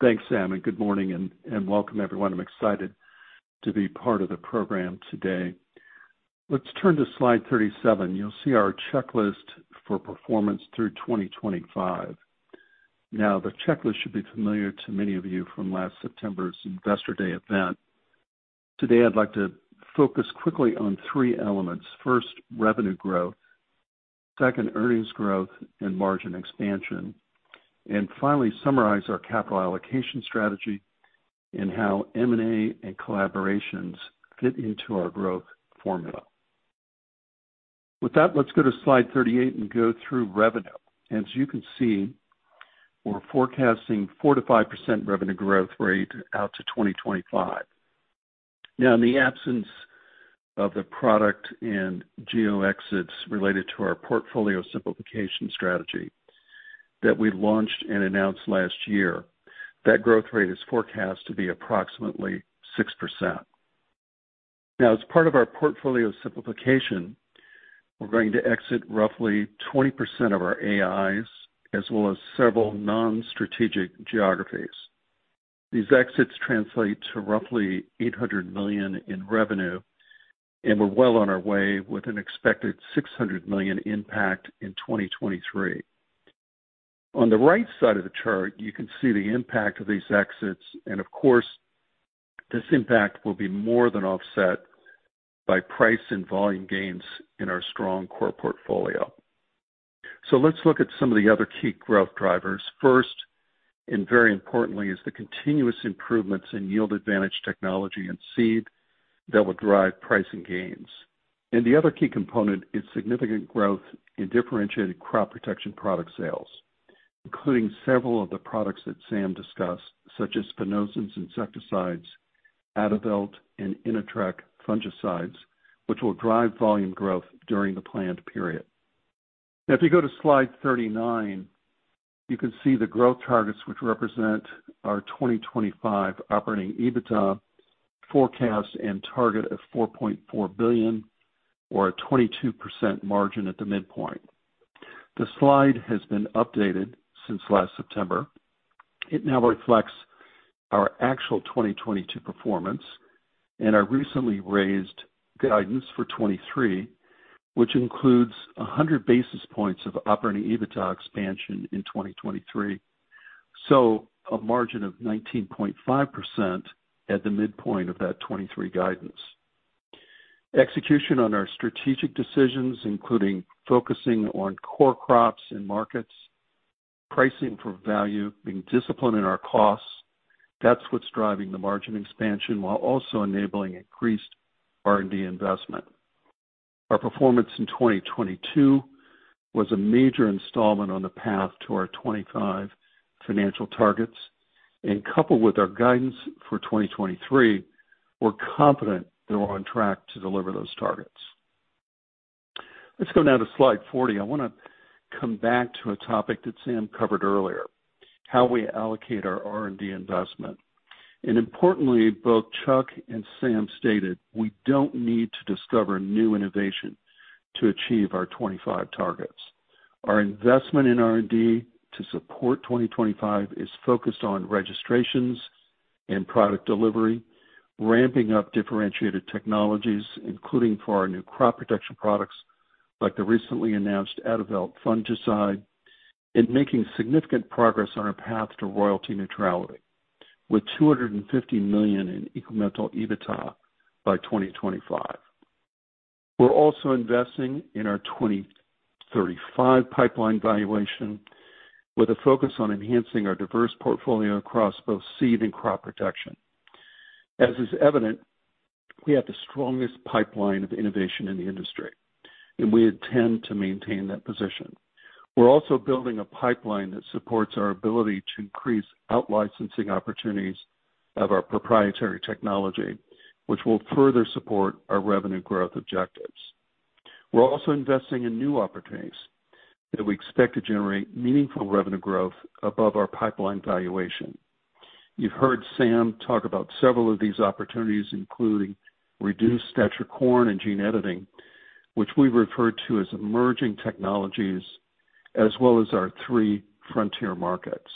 Thanks, Sam, good morning and welcome everyone. I'm excited to be part of the program today. Let's turn to slide 37. You'll see our checklist for performance through 2025. The checklist should be familiar to many of you from last September's Investor Day event. Today, I'd like to focus quickly on three elements. First, revenue growth. Second, earnings growth and margin expansion. Finally, summarize our capital allocation strategy and how M&A and collaborations fit into our growth formula. With that, let's go to slide 38 and go through revenue. You can see we're forecasting 4%-5% revenue growth rate out to 2025. In the absence of the product and geo exits related to our portfolio simplification strategy that we launched and announced last year, that growth rate is forecast to be approximately 6%. As part of our portfolio simplification, we're going to exit roughly 20% of our AIs as well as several non-strategic geographies. These exits translate to roughly $800 million in revenue, and we're well on our way with an expected $600 million impact in 2023. On the right side of the chart, you can see the impact of these exits, and of course, this impact will be more than offset by price and volume gains in our strong core portfolio. Let's look at some of the other key growth drivers. First, and very importantly, is the continuous improvements in yield advantage technology and seed that will drive pricing gains. The other key component is significant growth in differentiated crop protection product sales, including several of the products that Sam discussed, such as spinosyns insecticides, Adavelt and Inatrek fungicides, which will drive volume growth during the planned period. If you go to slide 39, you can see the growth targets which represent our 2025 operating EBITDA forecast and target of $4.4 billion or a 22% margin at the midpoint. The slide has been updated since last September. It now reflects our actual 2022 performance and our recently raised guidance for 2023, which includes 100 basis points of operating EBITDA expansion in 2023. A margin of 19.5% at the midpoint of that 2023 guidance. Execution on our strategic decisions, including focusing on core crops and markets, pricing for value, being disciplined in our costs, that's what's driving the margin expansion while also enabling increased R&D investment. Our performance in 2022 was a major installment on the path to our 25 financial targets. Coupled with our guidance for 2023, we're confident that we're on track to deliver those targets. Let's go now to slide 40. I wanna come back to a topic that Sam covered earlier, how we allocate our R&D investment. Importantly, both Chuck and Sam stated, we don't need to discover new innovation to achieve our 25 targets. Our investment in R&D to support 2025 is focused on registrations and product delivery, ramping up differentiated technologies, including for our new crop production products, like the recently announced Adavelt fungicide, and making significant progress on our path to royalty neutrality with $250 million in incremental EBITDA by 2025. We're also investing in our 2035 pipeline valuation with a focus on enhancing our diverse portfolio across both seed and crop protection. As is evident, we have the strongest pipeline of innovation in the industry, and we intend to maintain that position. We're also building a pipeline that supports our ability to increase out-licensing opportunities of our proprietary technology, which will further support our revenue growth objectives. We're also investing in new opportunities that we expect to generate meaningful revenue growth above our pipeline valuation. You've heard Sam talk about several of these opportunities, including reduced stature corn and gene editing, which we refer to as emerging technologies, as well as our three frontier markets.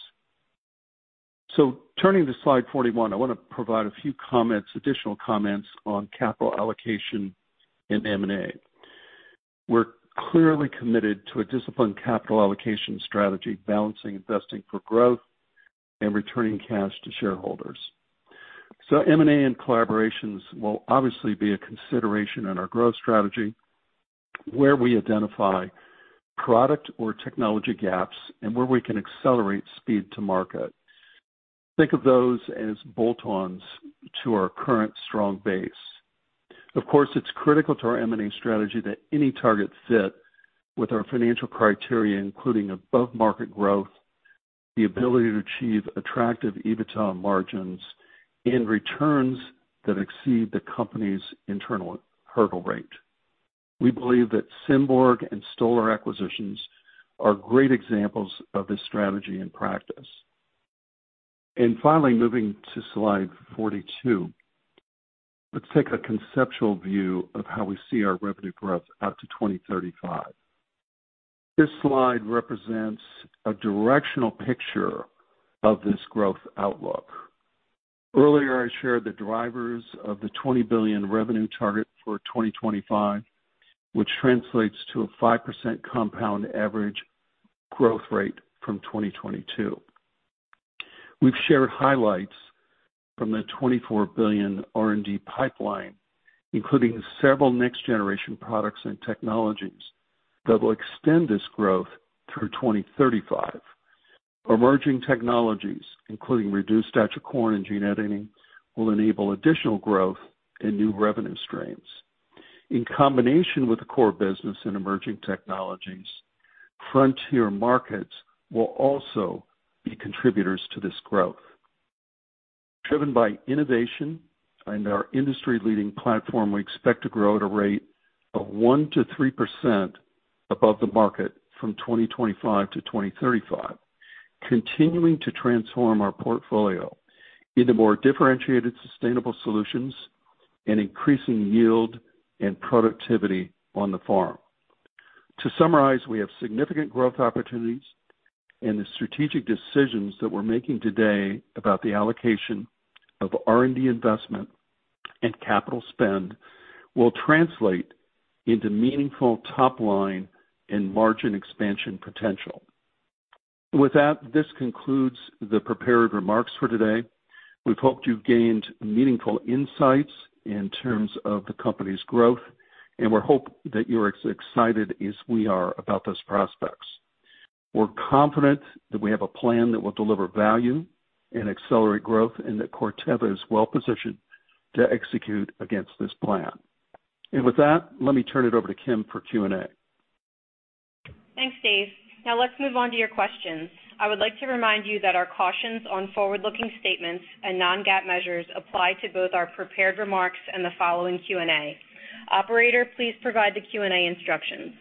Turning to slide 41, I want to provide a few comments, additional comments on capital allocation and M&A. We're clearly committed to a disciplined capital allocation strategy, balancing investing for growth and returning cash to shareholders. M&A and collaborations will obviously be a consideration in our growth strategy where we identify product or technology gaps and where we can accelerate speed to market. Think of those as bolt-ons to our current strong base. Of course, it's critical to our M&A strategy that any target fit with our financial criteria, including above market growth, the ability to achieve attractive EBITDA margins and returns that exceed the company's internal hurdle rate. We believe that Symborg and Stoller acquisitions are great examples of this strategy in practice. Finally, moving to slide 42. Let's take a conceptual view of how we see our revenue growth out to 2035. This slide represents a directional picture of this growth outlook. Earlier, I shared the drivers of the $20 billion revenue target for 2025, which translates to a 5% compound average growth rate from 2022. We've shared highlights from the $24 billion R&D pipeline, including several next-generation products and technologies that will extend this growth through 2035. Emerging technologies, including reduced stature corn and gene editing, will enable additional growth and new revenue streams. In combination with the core business and emerging technologies, frontier markets will also be contributors to this growth. Driven by innovation and our industry-leading platform, we expect to grow at a rate of 1% to 3% above the market from 2025 to 2035, continuing to transform our portfolio into more differentiated, sustainable solutions and increasing yield and productivity on the farm. To summarize, we have significant growth opportunities and the strategic decisions that we're making today about the allocation of R&D investment and capital spend will translate into meaningful top line and margin expansion potential. With that, this concludes the prepared remarks for today. We hope you've gained meaningful insights in terms of the company's growth, and we hope that you're as excited as we are about those prospects. We're confident that we have a plan that will deliver value and accelerate growth, and that Corteva is well-positioned to execute against this plan. With that, let me turn it over to Kim for Q&A. Thanks, Dave. Now let's move on to your questions. I would like to remind you that our cautions on forward-looking statements and non-GAAP measures apply to both our prepared remarks and the following Q&A. Operator, please provide the Q&A instructions.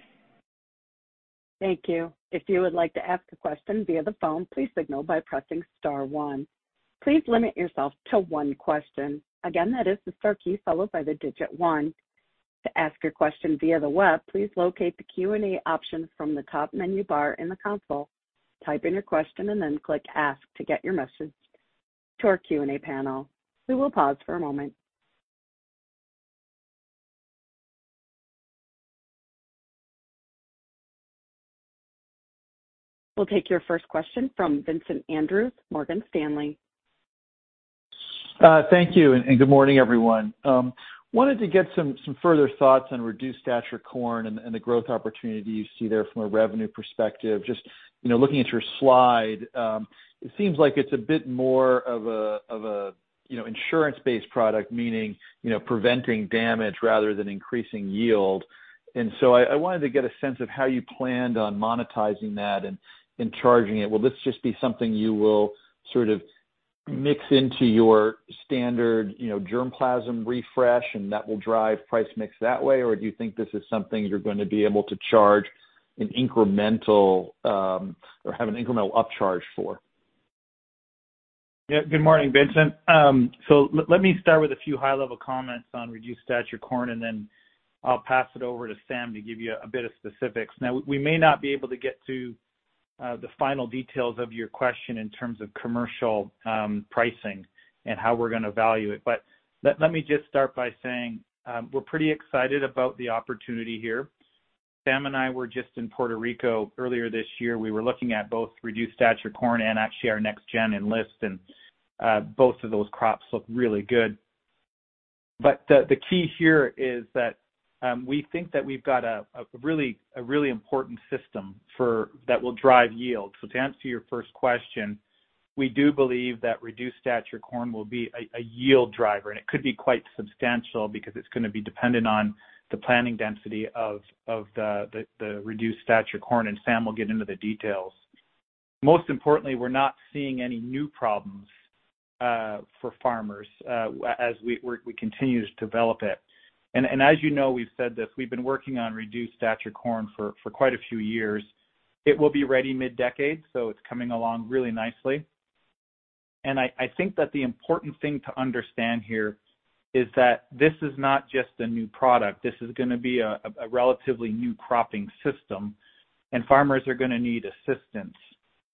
Thank you. If you would like to ask a question via the phone, please signal by pressing star one. Please limit yourself to one question. Again, that is the star key followed by the digit one. To ask your question via the web, please locate the Q&A option from the top menu bar in the console, type in your question, and then click Ask to get your message to our Q&A panel. We will pause for a moment. We'll take your first question from Vincent Andrews, Morgan Stanley. Thank you, and good morning, everyone. Wanted to get some further thoughts on reduced stature corn and the growth opportunity you see there from a revenue perspective. Just, you know, looking at your slide, it seems like it's a bit more of a, you know, insurance-based product, meaning, you know, preventing damage rather than increasing yield. I wanted to get a sense of how you planned on monetizing that and charging it. Will this just be something you will sort of mix into your standard, you know, germplasm refresh, and that will drive price mix that way? Do you think this is something you're going to be able to charge an incremental, or have an incremental upcharge for? Good morning, Vincent. Let me start with a few high-level comments on reduced stature corn, then I'll pass it over to Sam to give you a bit of specifics. Now, we may not be able to get to the final details of your question in terms of commercial pricing and how we're gonna value it. Let me just start by saying, we're pretty excited about the opportunity here. Sam and I were just in Puerto Rico earlier this year. We were looking at both reduced stature corn and actually our next gen Enlist, both of those crops look really good. The key here is that we think that we've got a really important system that will drive yield. To answer your first question, we do believe that reduced stature corn will be a yield driver, and it could be quite substantial because it's gonna be dependent on the planting density of the reduced stature corn, and Sam will get into the details. Most importantly, we're not seeing any new problems for farmers as we continue to develop it. As you know, we've said this, we've been working on reduced stature corn for quite a few years. It will be ready mid-decade, it's coming along really nicely. I think that the important thing to understand here is that this is not just a new product. This is gonna be a relatively new cropping system, and farmers are gonna need assistance,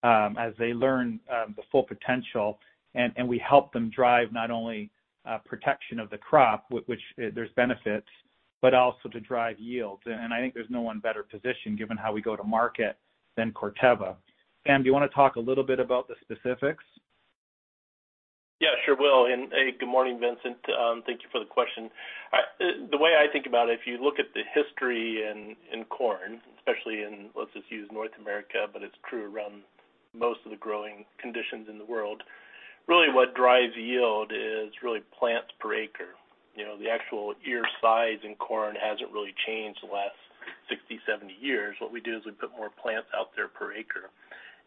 as they learn the full potential and we help them drive not only protection of the crop, which there's benefits, but also to drive yields. I think there's no one better positioned given how we go to market than Corteva. Sam, do you wanna talk a little bit about the specifics? Yeah, sure will. Hey, good morning, Vincent. Thank you for the question. The way I think about it, if you look at the history in corn, especially in, let's just use North America, but it's true around most of the growing conditions in the world, really what drives yield is really plants per acre. You know, the actual ear size in corn hasn't really changed in the last 60, 70 years. What we do is we put more plants out there per acre.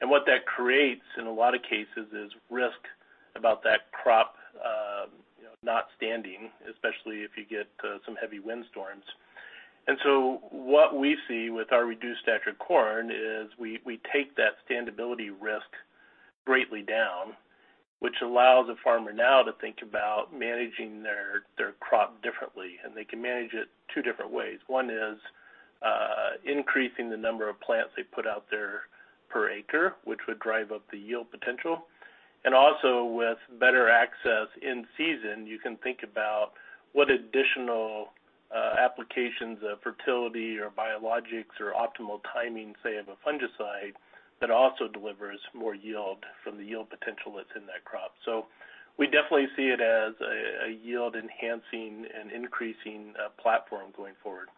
What that creates in a lot of cases is risk about that crop, you know, not standing, especially if you get some heavy windstorms. What we see with our reduced stature corn is we take that standability risk greatly down, which allows a farmer now to think about managing their crop differently, and they can manage it two different ways. One is increasing the number of plants they put out there per acre, which would drive up the yield potential. Also with better access in season, you can think about what additional applications of fertility or biologics or optimal timing, say, of a fungicide that also delivers more yield from the yield potential that's in that crop. We definitely see it as a yield enhancing and increasing platform going forward.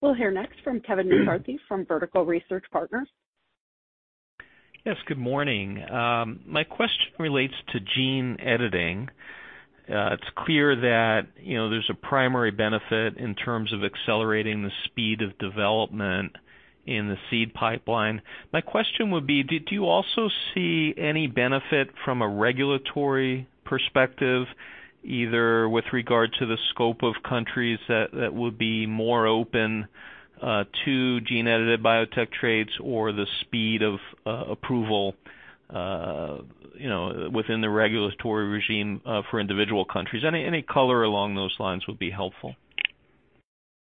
We'll hear next from Kevin McCarthy from Vertical Research Partners. Yes, good morning. My question relates to gene editing. It's clear that, you know, there's a primary benefit in terms of accelerating the speed of development in the seed pipeline. My question would be, did you also see any benefit from a regulatory perspective, either with regard to the scope of countries that would be more open to gene-edited biotech trades or the speed of approval, you know, within the regulatory regime for individual countries? Any color along those lines would be helpful.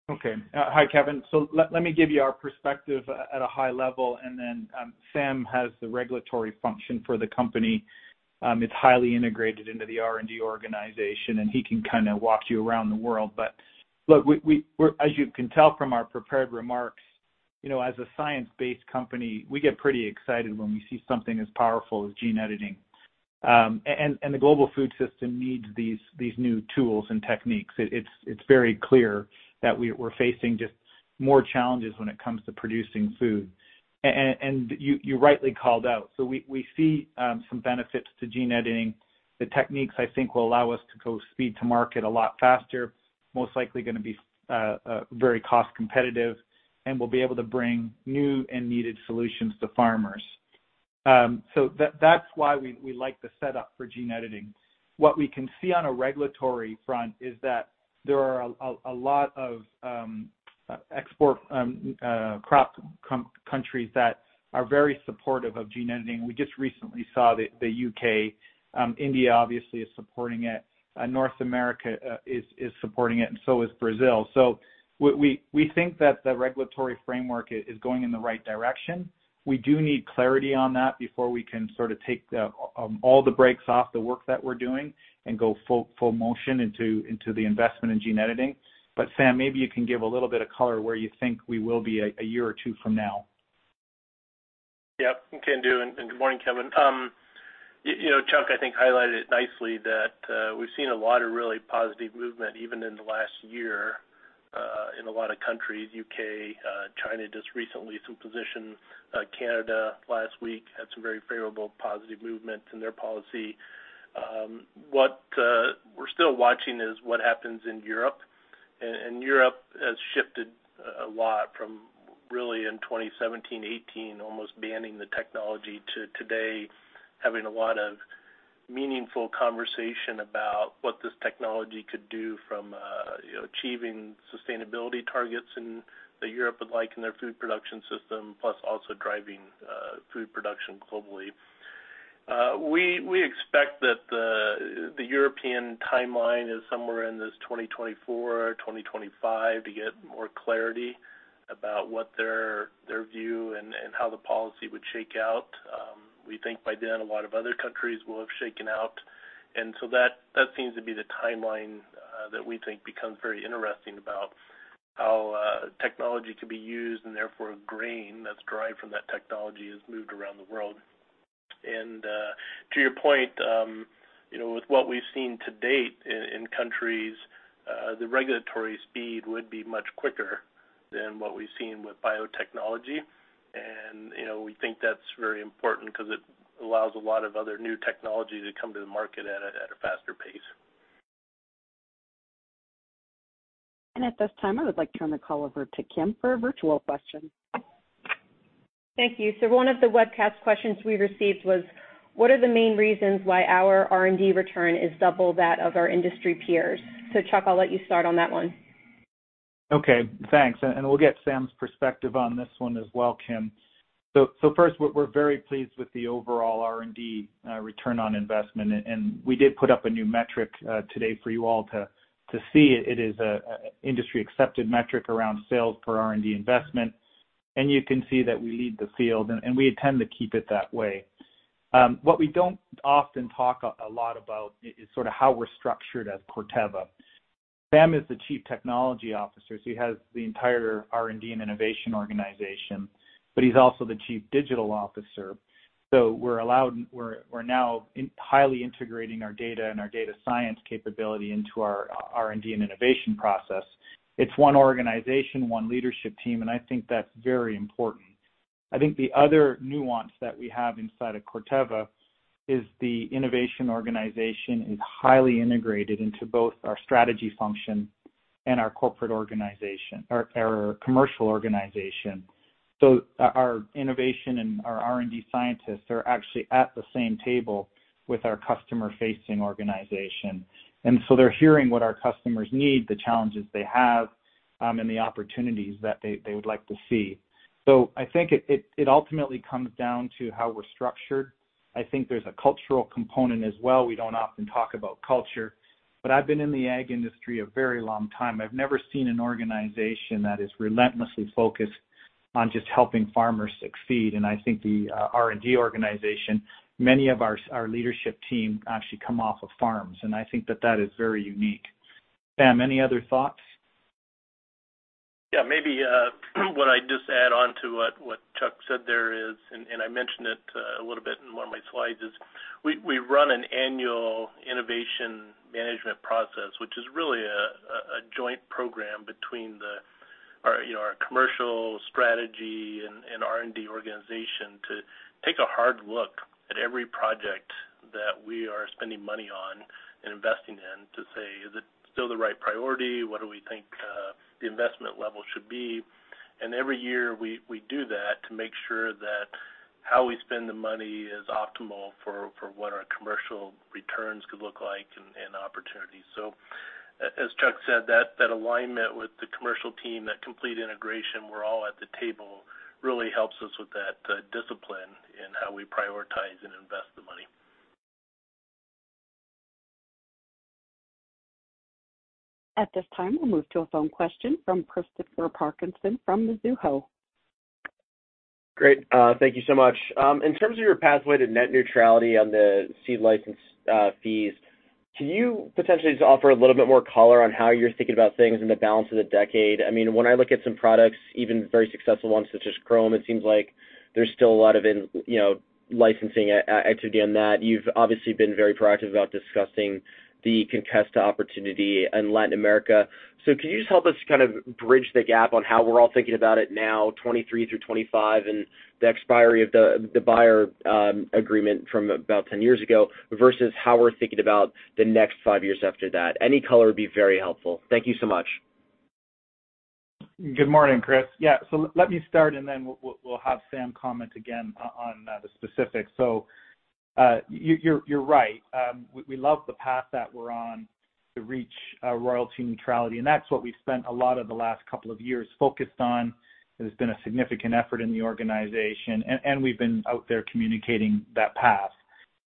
Okay. Hi, Kevin. Let me give you our perspective at a high level, and then, Sam has the regulatory function for the company. It's highly integrated into the R&D organization, and he can kinda walk you around the world. But look, we as you can tell from our prepared remarks, you know, as a science-based company, we get pretty excited when we see something as powerful as gene editing. And the global food system needs these new tools and techniques. It's very clear that we're facing just more challenges when it comes to producing food. And you rightly called out. We see some benefits to gene editing. The techniques, I think, will allow us to go speed to market a lot faster, most likely gonna be very cost competitive, and we'll be able to bring new and needed solutions to farmers. That's why we like the setup for gene editing. What we can see on a regulatory front is that there are a lot of export crop countries that are very supportive of gene editing. We just recently saw the U.K. India obviously is supporting it. North America is supporting it and so is Brazil. We think that the regulatory framework is going in the right direction. We do need clarity on that before we can sort of take the all the breaks off the work that we're doing and go full motion into the investment in gene editing. Sam, maybe you can give a little bit of color where you think we will be a year or two from now. Yep, can do. Good morning, Kevin. You know, Chuck, I think, highlighted it nicely that we've seen a lot of really positive movement even in the last year in a lot of countries, U.K., China just recently took position. Canada last week had some very favorable positive movement in their policy. What we're still watching is what happens in Europe. Europe has shifted a lot from really in 2017, 2018, almost banning the technology to today having a lot of meaningful conversation about what this technology could do from, you know, achieving sustainability targets that Europe would like in their food production system, plus also driving food production globally. We expect that the European timeline is somewhere in this 2024 or 2025 to get more clarity about what their view and how the policy would shake out. We think by then a lot of other countries will have shaken out. So that seems to be the timeline that we think becomes very interesting about how technology could be used and therefore grain that's derived from that technology is moved around the world. To your point, you know, with what we've seen to date in countries, the regulatory speed would be much quicker than what we've seen with biotechnology. You know, we think that's very important because it allows a lot of other new technology to come to the market at a faster pace. At this time, I would like to turn the call over to Kim for a virtual question. Thank you. One of the webcast questions we received was, what are the main reasons why our R&D return is double that of our industry peers? Chuck, I'll let you start on that one. Okay, thanks. We'll get Sam's perspective on this one as well, Kim. First, we're very pleased with the overall R&D return on investment, and we did put up a new metric today for you all to see. It is a industry-accepted metric around sales per R&D investment. You can see that we lead the field, and we intend to keep it that way. What we don't often talk a lot about is sort of how we're structured at Corteva. Sam is the Chief Technology Officer, so he has the entire R&D and innovation organization, but he's also the Chief Digital Officer. We're now highly integrating our data and our data science capability into our R&D and innovation process. It's one organization, one leadership team, and I think that's very important. I think the other nuance that we have inside of Corteva is the innovation organization is highly integrated into both our strategy function and our corporate organization or our commercial organization. Our innovation and our R&D scientists are actually at the same table with our customer-facing organization. They're hearing what our customers need, the challenges they have, and the opportunities that they would like to see. I think it ultimately comes down to how we're structured. I think there's a cultural component as well. We don't often talk about culture, but I've been in the ag industry a very long time. I've never seen an organization that is relentlessly focused on just helping farmers succeed. I think the R&D organization, many of our leadership team actually come off of farms, and I think that that is very unique. Sam, any other thoughts? Yeah, maybe what I just add on to what Chuck said there is, I mentioned it a little bit in one of my slides is we run an annual innovation management process, which is really a joint program between our, you know, our commercial strategy and R&D organization to take a hard look at every project that we are spending money on and investing in to say, "Is it still the right priority? What do we think the investment level should be?" Every year, we do that to make sure that how we spend the money is optimal for what our commercial returns could look like and opportunities. As Chuck said, that alignment with the commercial team, that complete integration, we're all at the table, really helps us with that discipline in how we prioritize and invest the money. At this time, we'll move to a phone question from Christopher Parkinson from Mizuho. Great. Thank you so much. In terms of your pathway to net neutrality on the seed license fees, can you potentially just offer a little bit more color on how you're thinking about things in the balance of the decade? I mean, when I look at some products, even very successful ones such as Cronnos, it seems like there's still a lot of, you know, licensing activity on that. You've obviously been very proactive about discussing the Conkesta opportunity in Latin America. Can you just help us kind of bridge the gap on how we're all thinking about it now, 2023 through 2025, and the expiry of the Bayer agreement from about 10 years ago versus how we're thinking about the next five years after that? Any color would be very helpful. Thank you so much. Good morning, Chris. Yeah. Let me start, and then we'll have Sam comment again on the specifics. You're right. We love the path that we're on to reach royalty neutrality, and that's what we've spent a lot of the last couple of years focused on. It has been a significant effort in the organization, and we've been out there communicating that path.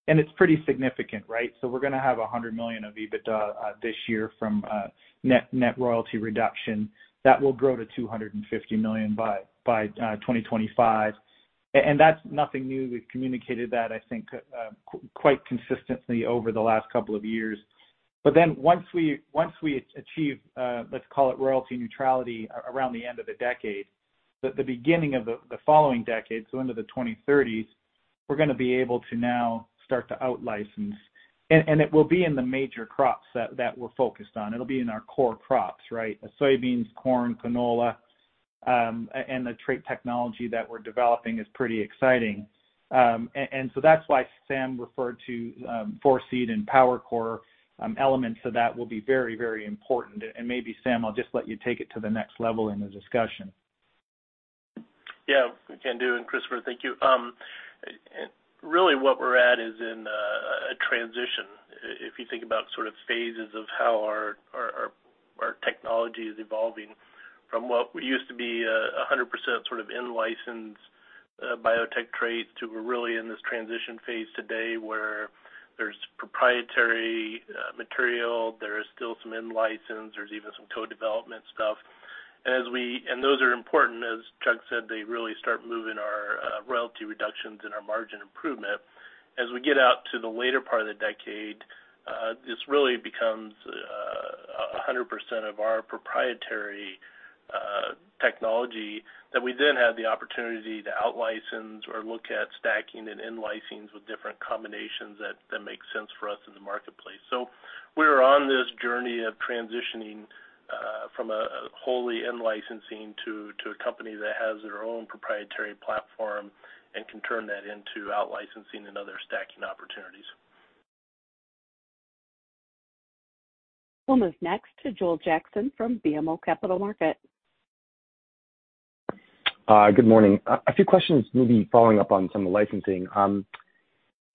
It's pretty significant, right? We're gonna have $100 million of EBITDA this year from net royalty reduction. That will grow to $250 million by 2025. That's nothing new. We've communicated that, I think, quite consistently over the last couple of years. Once we achieve, let's call it royalty neutrality around the end of the decade, the beginning of the following decade, so into the 2030s, we're gonna be able to now start to out-license. It will be in the major crops that we're focused on. It'll be in our core crops, right? Soybeans, corn, canola, and the trait technology that we're developing is pretty exciting. That's why Sam referred to 4SEED and PowerCore elements. That will be very, very important. Maybe, Sam, I'll just let you take it to the next level in the discussion. Yeah, can do. Christopher, thank you. Really what we're at is in a transition if you think about sort of phases of how our technology is evolving from what used to be 100% sort of in-licensed biotech traits to we're really in this transition phase today where there's proprietary material, there is still some in-license, there's even some co-development stuff. Those are important. As Chuck said, they really start moving our royalty reductions and our margin improvement. As we get out to the later part of the decade, this really becomes 100% of our proprietary technology that we then have the opportunity to out-license or look at stacking and in-licensing with different combinations that make sense for us in the marketplace. We're on this journey of transitioning from a wholly in-licensing to a company that has their own proprietary platform and can turn that into out-licensing and other stacking opportunities. We'll move next to Joel Jackson from BMO Capital Markets. Good morning. A few questions maybe following up on some of the licensing.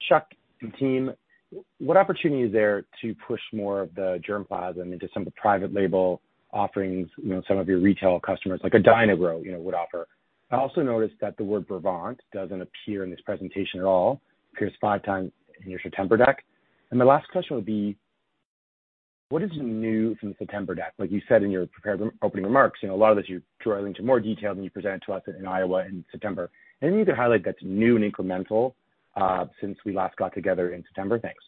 Chuck and team, what opportunity is there to push more of the germplasm into some of the private label offerings, you know, some of your retail customers, like a Dyna-Gro, you know, would offer? I also noticed that the word Brevant doesn't appear in this presentation at all. It appears five times in your September deck. My last question would be, what is new from the September deck? Like you said in your prepared re-opening remarks, you know, a lot of this you drill into more detail than you presented to us in Iowa in September. Anything you could highlight that's new and incremental since we last got together in September? Thanks.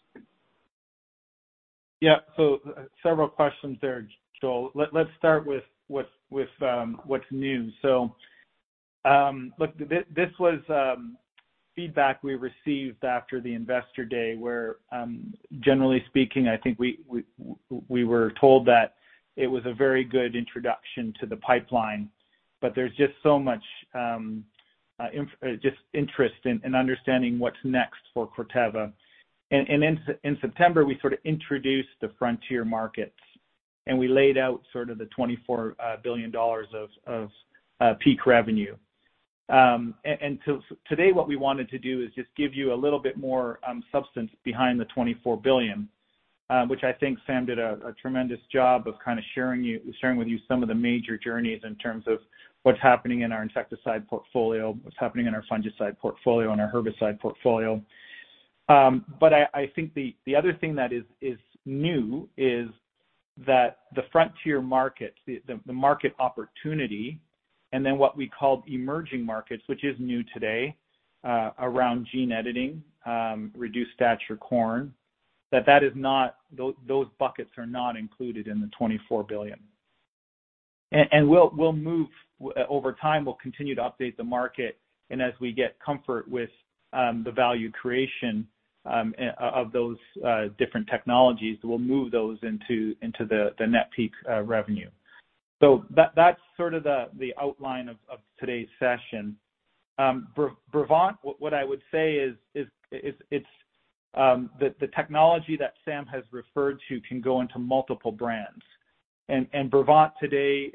Several questions there, Joel. Let's start with what's new. Look, this was feedback we received after the Investor Day where, generally speaking, I think we were told that it was a very good introduction to the pipeline, but there's just so much just interest in understanding what's next for Corteva. In September, we sort of introduced the frontier markets, and we laid out sort of the $24 billion of peak revenue. Today what we wanted to do is just give you a little bit more substance behind the $24 billion, which I think Sam did a tremendous job of kind of sharing with you some of the major journeys in terms of what's happening in our insecticide portfolio, what's happening in our fungicide portfolio, in our herbicide portfolio. I think the other thing that is new is that the frontier market, the market opportunity. What we call emerging markets, which is new today, around gene editing, reduced stature corn, that is not. Those buckets are not included in the $24 billion. We'll move over time, we'll continue to update the market and as we get comfort with the value creation of those different technologies, we'll move those into the net peak revenue. That's sort of the outline of today's session. Brevant, what I would say is it's the technology that Sam has referred to can go into multiple brands. Brevant today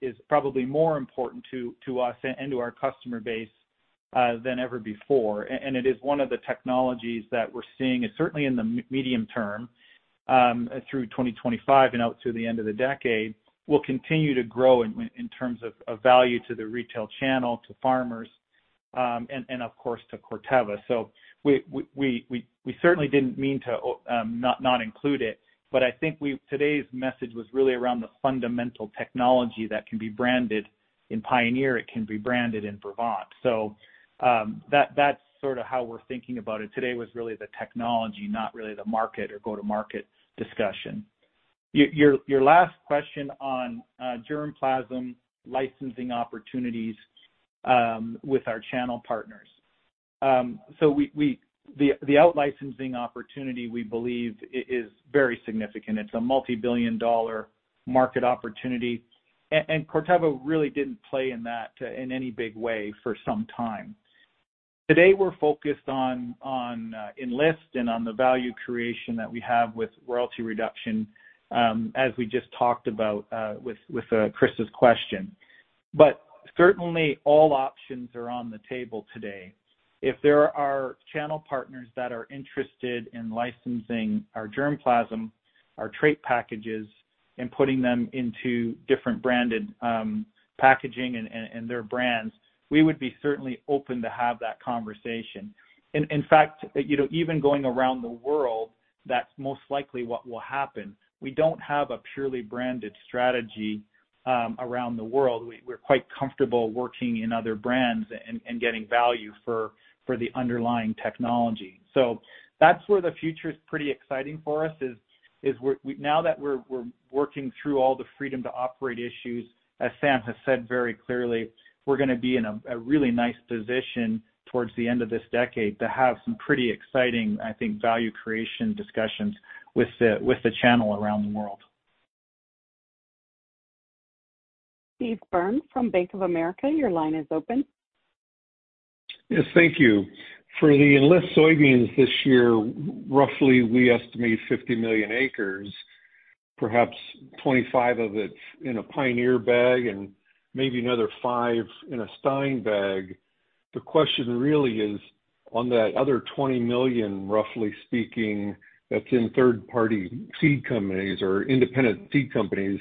is probably more important to us and to our customer base than ever before. It is one of the technologies that we're seeing, certainly in the medium term, through 2025 and out through the end of the decade, will continue to grow in terms of value to the retail channel, to farmers, and of course, to Corteva. We certainly didn't mean to not include it, but I think today's message was really around the fundamental technology that can be branded in Pioneer, it can be branded in Brevant. That's sort of how we're thinking about it. Today was really the technology, not really the market or go to market discussion. Your last question on germplasm licensing opportunities with our channel partners. The out-licensing opportunity we believe is very significant. It's a multi-billion dollar market opportunity. Corteva really didn't play in that in any big way for some time. Today, we're focused on Enlist and on the value creation that we have with royalty reduction, as we just talked about with Chris's question. Certainly all options are on the table today. If there are channel partners that are interested in licensing our germplasm, our trait packages, and putting them into different branded packaging and their brands, we would be certainly open to have that conversation. In fact, you know, even going around the world, that's most likely what will happen. We don't have a purely branded strategy around the world. We're quite comfortable working in other brands and getting value for the underlying technology. That's where the future is pretty exciting for us, is we're Now that we're working through all the freedom to operate issues, as Sam has said very clearly, we're gonna be in a really nice position towards the end of this decade to have some pretty exciting, I think, value creation discussions with the channel around the world. Steve Byrne from Bank of America, your line is open. Yes, thank you. For the Enlist soybeans this year, roughly we estimate 50 million acres, perhaps 25 of it in a Pioneer bag and maybe another five in a Stine bag. The question really is on that other 20 million, roughly speaking, that's in third-party seed companies or independent seed companies,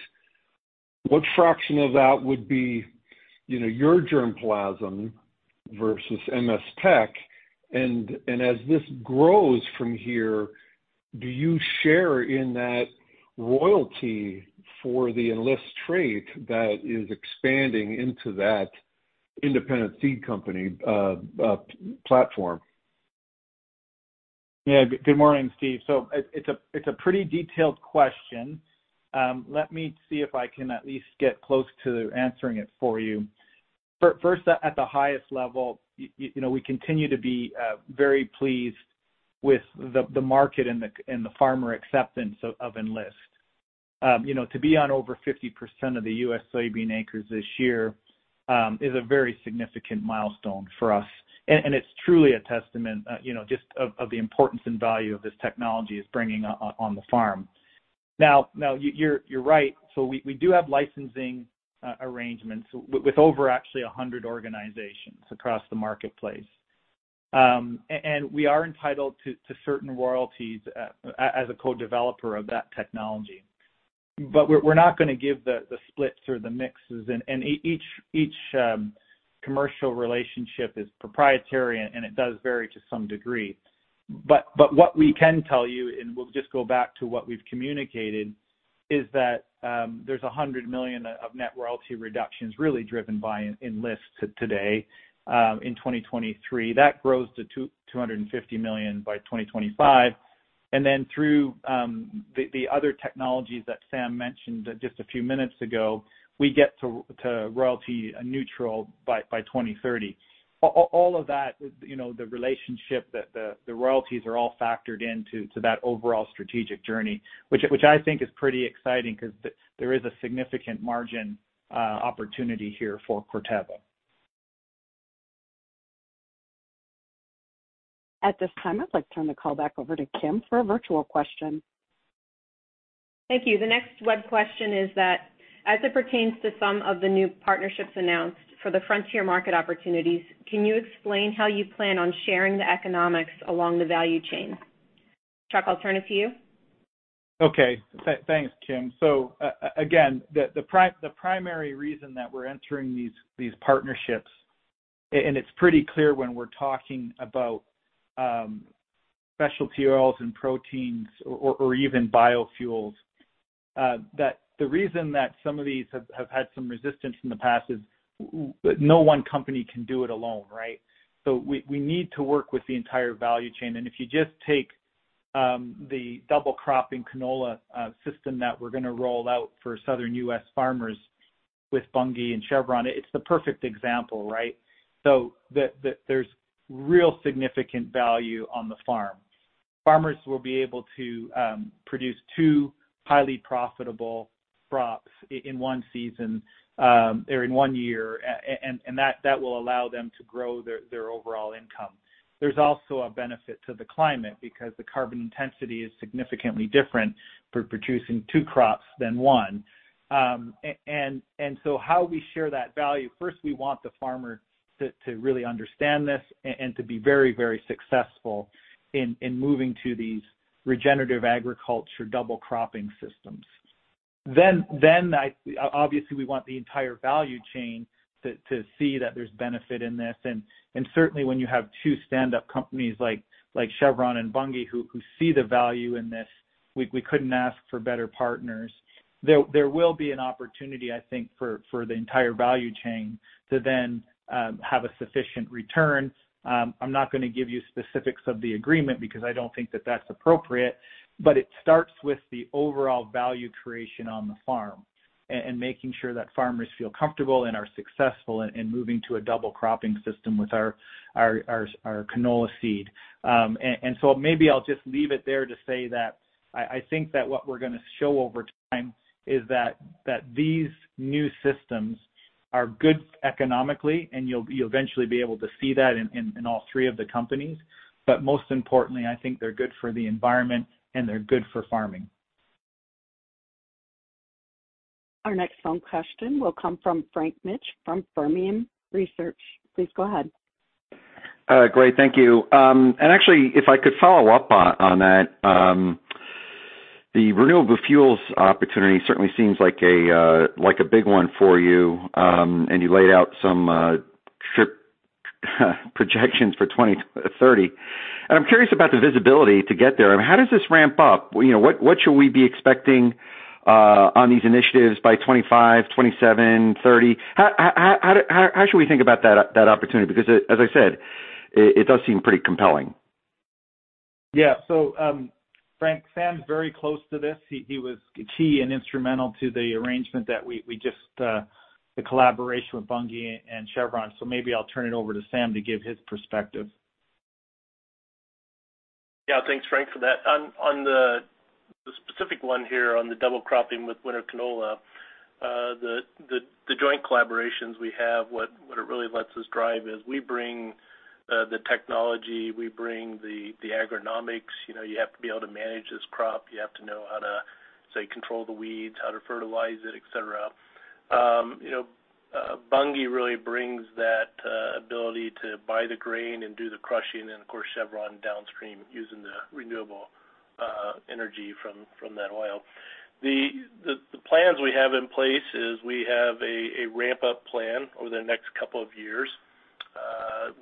what fraction of that would be, you know, your germplasm versus MS Technologies? As this grows from here, do you share in that royalty for the Enlist trait that is expanding into that independent seed company platform? Good morning, Steve. It's a pretty detailed question. Let me see if I can at least get close to answering it for you. First, at the highest level, you know, we continue to be very pleased with the market and the farmer acceptance of Enlist. You know, to be on over 50% of the U.S. soybean acres this year is a very significant milestone for us. It's truly a testament, you know, just of the importance and value of this technology is bringing on the farm. You're right. We do have licensing arrangements with over actually 100 organizations across the marketplace. And we are entitled to certain royalties as a co-developer of that technology. We're not gonna give the splits or the mixes. Each commercial relationship is proprietary and it does vary to some degree. What we can tell you, and we'll just go back to what we've communicated, is that there's $100 million of net royalty reductions really driven by Enlist today in 2023. That grows to $250 million by 2025. Through the other technologies that Sam mentioned just a few minutes ago, we get to royalty neutral by 2030. All of that, you know, the relationship that the royalties are all factored into that overall strategic journey, which I think is pretty exciting because there is a significant margin opportunity here for Corteva. At this time, I'd like to turn the call back over to Kim for a virtual question. Thank you. The next web question is that as it pertains to some of the new partnerships announced for the frontier market opportunities, can you explain how you plan on sharing the economics along the value chain? Chuck, I'll turn it to you. Okay. Thanks, Kim. Again, the primary reason that we're entering these partnerships. It's pretty clear when we're talking about specialty oils and proteins or even biofuels, that the reason that some of these have had some resistance in the past is no one company can do it alone, right? We need to work with the entire value chain. If you just take the double cropping canola system that we're gonna roll out for Southern U.S. farmers with Bunge and Chevron, it's the perfect example, right? There's real significant value on the farm. Farmers will be able to produce two highly profitable crops in one season or in one year, and that will allow them to grow their overall income. There's also a benefit to the climate because the carbon intensity is significantly different for producing two crops than one. How we share that value, first, we want the farmer to really understand this and to be very, very successful in moving to these regenerative agriculture double cropping systems. We want the entire value chain to see that there's benefit in this. When you have two standup companies like Chevron and Bunge who see the value in this, we couldn't ask for better partners. There will be an opportunity, I think, for the entire value chain to then have a sufficient return. I'm not gonna give you specifics of the agreement because I don't think that that's appropriate, but it starts with the overall value creation on the farm and making sure that farmers feel comfortable and are successful in moving to a double cropping system with our canola seed. Maybe I'll just leave it there to say that I think that what we're gonna show over time is that these new systems are good economically, and you'll eventually be able to see that in all three of the companies. Most importantly, I think they're good for the environment, and they're good for farming. Our next phone question will come from Frank Mitsch from Fermium Research. Please go ahead. Great. Thank you. Actually, if I could follow up on that. The renewable fuels opportunity certainly seems like a big one for you, and you laid out some trip projections for 2030. I'm curious about the visibility to get there. I mean, how does this ramp up? You know, what should we be expecting on these initiatives by 25, 27, 30? How should we think about that opportunity? Because as I said, it does seem pretty compelling. Frank, Sam's very close to this. He was key and instrumental to the arrangement the collaboration with Bunge and Chevron. Maybe I'll turn it over to Sam to give his perspective. Yeah. Thanks, Frank, for that. On the specific one here on the double cropping with winter canola, the joint collaborations we have, what it really lets us drive is we bring the technology, we bring the agronomics. You know, you have to be able to manage this crop. You have to know how to, say, control the weeds, how to fertilize it, et cetera. You know, Bunge really brings that ability to buy the grain and do the crushing, and of course, Chevron downstream using the renewable energy from that oil. The plans we have in place is we have a ramp-up plan over the next couple of years.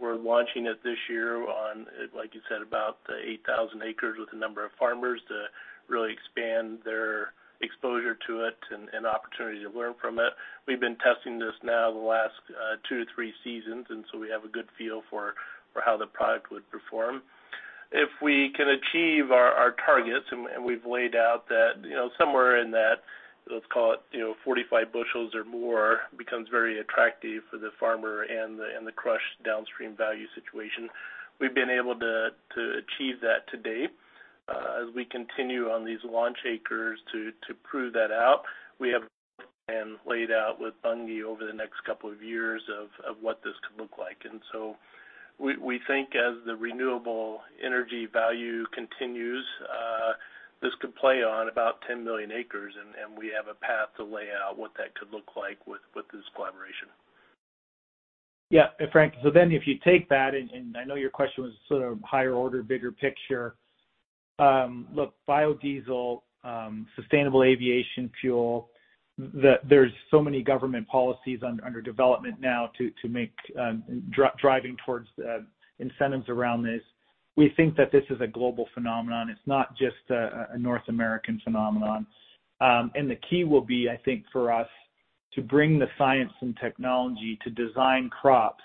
We're launching it this year on, like you said, about 8,000 acres with a number of farmers to really expand their exposure to it and opportunity to learn from it. We've been testing this now the last two to three seasons. We have a good feel for how the product would perform. If we can achieve our targets, and we've laid out that, you know, somewhere in that, let's call it, you know, 45 bushels or more becomes very attractive for the farmer and the crush downstream value situation. We've been able to achieve that to date. As we continue on these launch acres to prove that out, we have plans laid out with Bunge over the next couple of years of what this could look like. We think as the renewable energy value continues, this could play on about 10 million acres, and we have a path to lay out what that could look like with this collaboration. Yeah. Frank, if you take that, and I know your question was sort of higher order, bigger picture. Look, biodiesel, sustainable aviation fuel, there's so many government policies under development now to make driving towards incentives around this. We think that this is a global phenomenon. It's not just a North American phenomenon. The key will be, I think, for us to bring the science and technology to design crops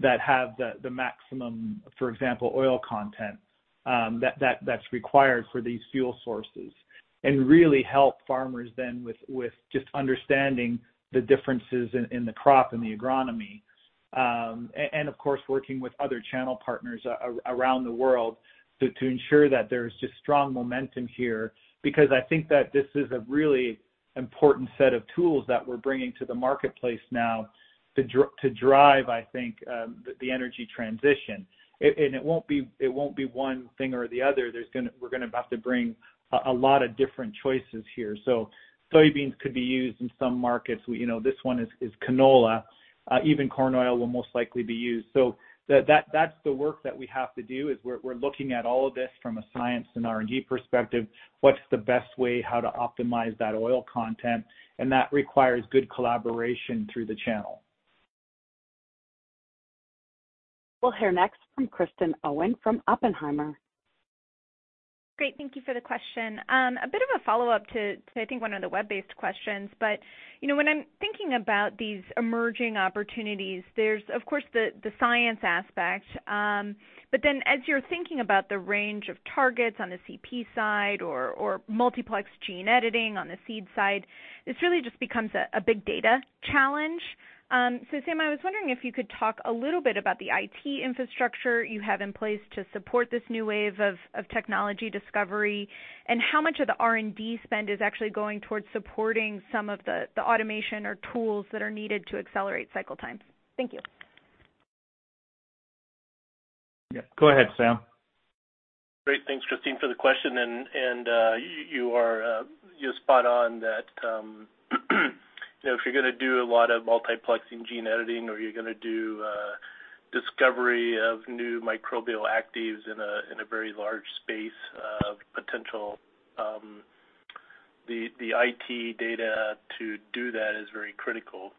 that have the maximum, for example, oil content, that's required for these fuel sources and really help farmers then with just understanding the differences in the crop and the agronomy. And of course, working with other channel partners around the world to ensure that there's just strong momentum here because I think that this is a really important set of tools that we're bringing to the marketplace now to drive, I think, the energy transition. It won't be, it won't be one thing or the other. We're gonna have to bring a lot of different choices here. Soybeans could be used in some markets. You know, this one is canola. Even corn oil will most likely be used. That's the work that we have to do is we're looking at all of this from a science and R&D perspective. What's the best way how to optimize that oil content? That requires good collaboration through the channel. We'll hear next from Kristen Owen from Oppenheimer. Great. Thank you for the question. A bit of a follow-up to I think one of the web-based questions. You know, when I'm thinking about these emerging opportunities, there's of course, the science aspect. As you're thinking about the range of targets on the CP side or multiplex gene editing on the seed side, this really just becomes a big data challenge. Sam, I was wondering if you could talk a little bit about the IT infrastructure you have in place to support this new wave of technology discovery, and how much of the R&D spend is actually going towards supporting some of the automation or tools that are needed to accelerate cycle times. Thank you. Yeah, go ahead, Sam. Great. Thanks, Kristen, for the question. You're spot on that, you know, if you're gonna do a lot of multiplexing gene editing or you're gonna do discovery of new microbial actives in a very large space of potential, the IT data to do that is very critical.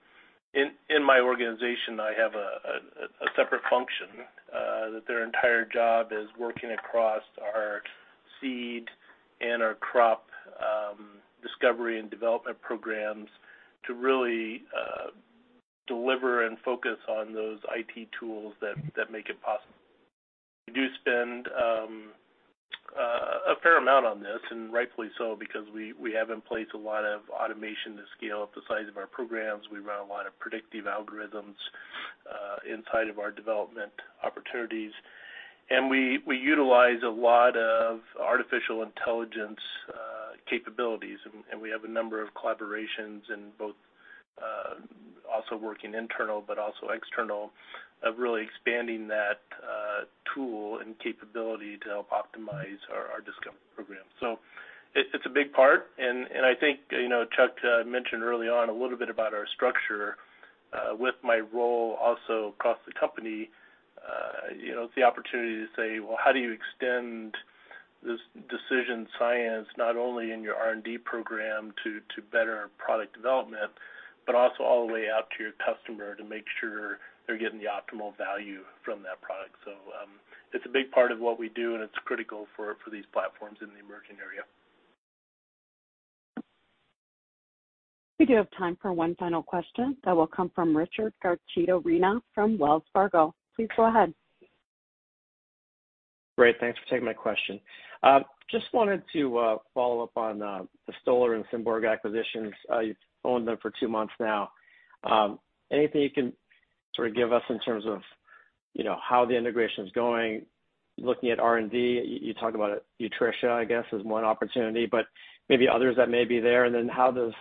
In my organization, I have a separate function that their entire job is working across our seed and our crop discovery and development programs to really deliver and focus on those IT tools that make it possible. We do spend a fair amount on this, and rightfully so because we have in place a lot of automation to scale up the size of our programs. We run a lot of predictive algorithms inside of our development opportunities. We utilize a lot of artificial intelligence capabilities. We have a number of collaborations in both, also working internal but also external, of really expanding that tool and capability to help optimize our discovery program. It's a big part and I think, you know, Chuck mentioned early on a little bit about our structure. With my role also across the company, you know, it's the opportunity to say, well, how do you extend this decision science not only in your R&D program to better product development, but also all the way out to your customer to make sure they're getting the optimal value from that product. It's a big part of what we do, and it's critical for these platforms in the emerging area. We do have time for one final question. That will come from Richard Garchitorena from Wells Fargo. Please go ahead. Great. Thanks for taking my question. Just wanted to follow up on the Stoller and Symborg acquisitions. You've owned them for 2 months now. Anything you can sort of give us in terms of, you know, how the integration's going? Looking at R&D, you talked about nutrition, I guess, as one opportunity, but maybe others that may be there. How does,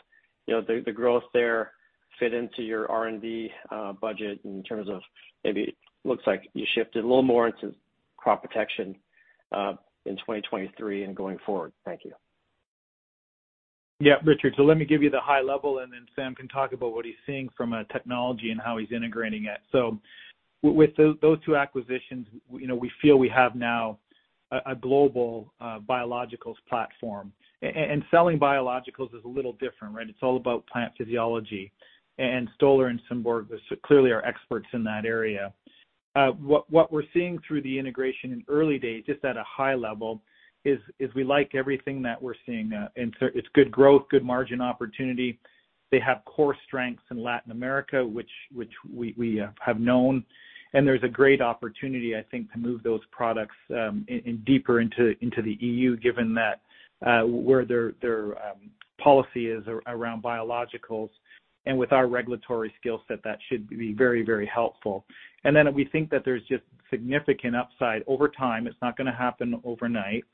you know, the growth there fit into your R&D budget in terms of maybe looks like you shifted a little more into crop protection in 2023 and going forward? Thank you. Yeah, Richard. Let me give you the high level, and then Sam can talk about what he's seeing from a technology and how he's integrating it. With those two acquisitions, you know, we feel we have now a global biologicals platform. Selling biologicals is a little different, right? It's all about plant physiology. Stoller and Symborg clearly are experts in that area. What we're seeing through the integration in early days, just at a high level, is we like everything that we're seeing. It's good growth, good margin opportunity. They have core strengths in Latin America, which we have known. There's a great opportunity, I think, to move those products deeper into the EU, given that where their policy is around biologicals. With our regulatory skill set, that should be very, very helpful. Then we think that there's just significant upside over time. It's not gonna happen overnight,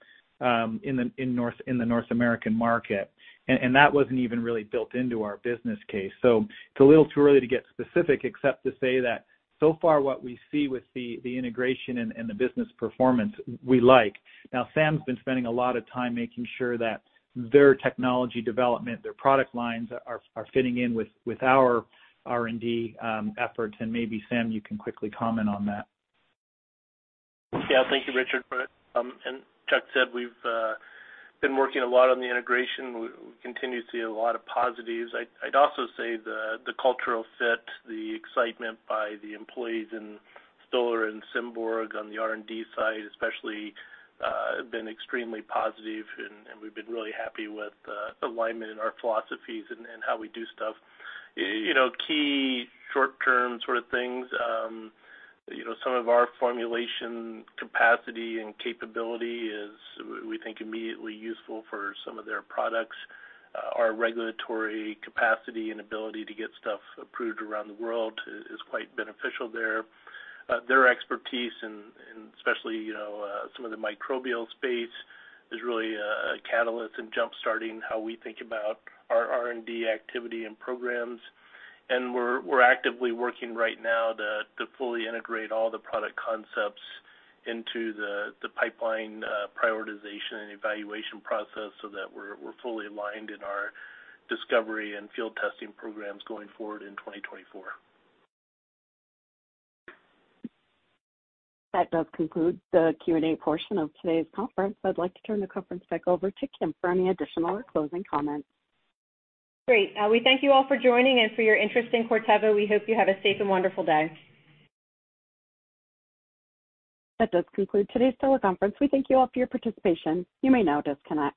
in the, in North, in the North American market. That wasn't even really built into our business case. It's a little too early to get specific, except to say that so far what we see with the integration and the business performance we like. Now, Sam's been spending a lot of time making sure that their technology development, their product lines are fitting in with our R&D efforts. Maybe, Sam, you can quickly comment on that. Thank you, Richard. Chuck said we've been working a lot on the integration. We continue to see a lot of positives. I'd also say the cultural fit, the excitement by the employees in Stoller and Symborg on the R&D side especially, have been extremely positive and we've been really happy with the alignment in our philosophies and how we do stuff. You know, key short-term sort of things, you know, some of our formulation capacity and capability is we think immediately useful for some of their products. Our regulatory capacity and ability to get stuff approved around the world is quite beneficial there. Their expertise in especially, you know, some of the microbial space is really a catalyst in jump-starting how we think about our R&D activity and programs. We're actively working right now to fully integrate all the product concepts into the pipeline, prioritization and evaluation process so that we're fully aligned in our discovery and field testing programs going forward in 2024. That does conclude the Q&A portion of today's conference. I'd like to turn the conference back over to Kim for any additional or closing comments. Great. We thank you all for joining and for your interest in Corteva. We hope you have a safe and wonderful day. That does conclude today's teleconference. We thank you all for your participation. You may now disconnect.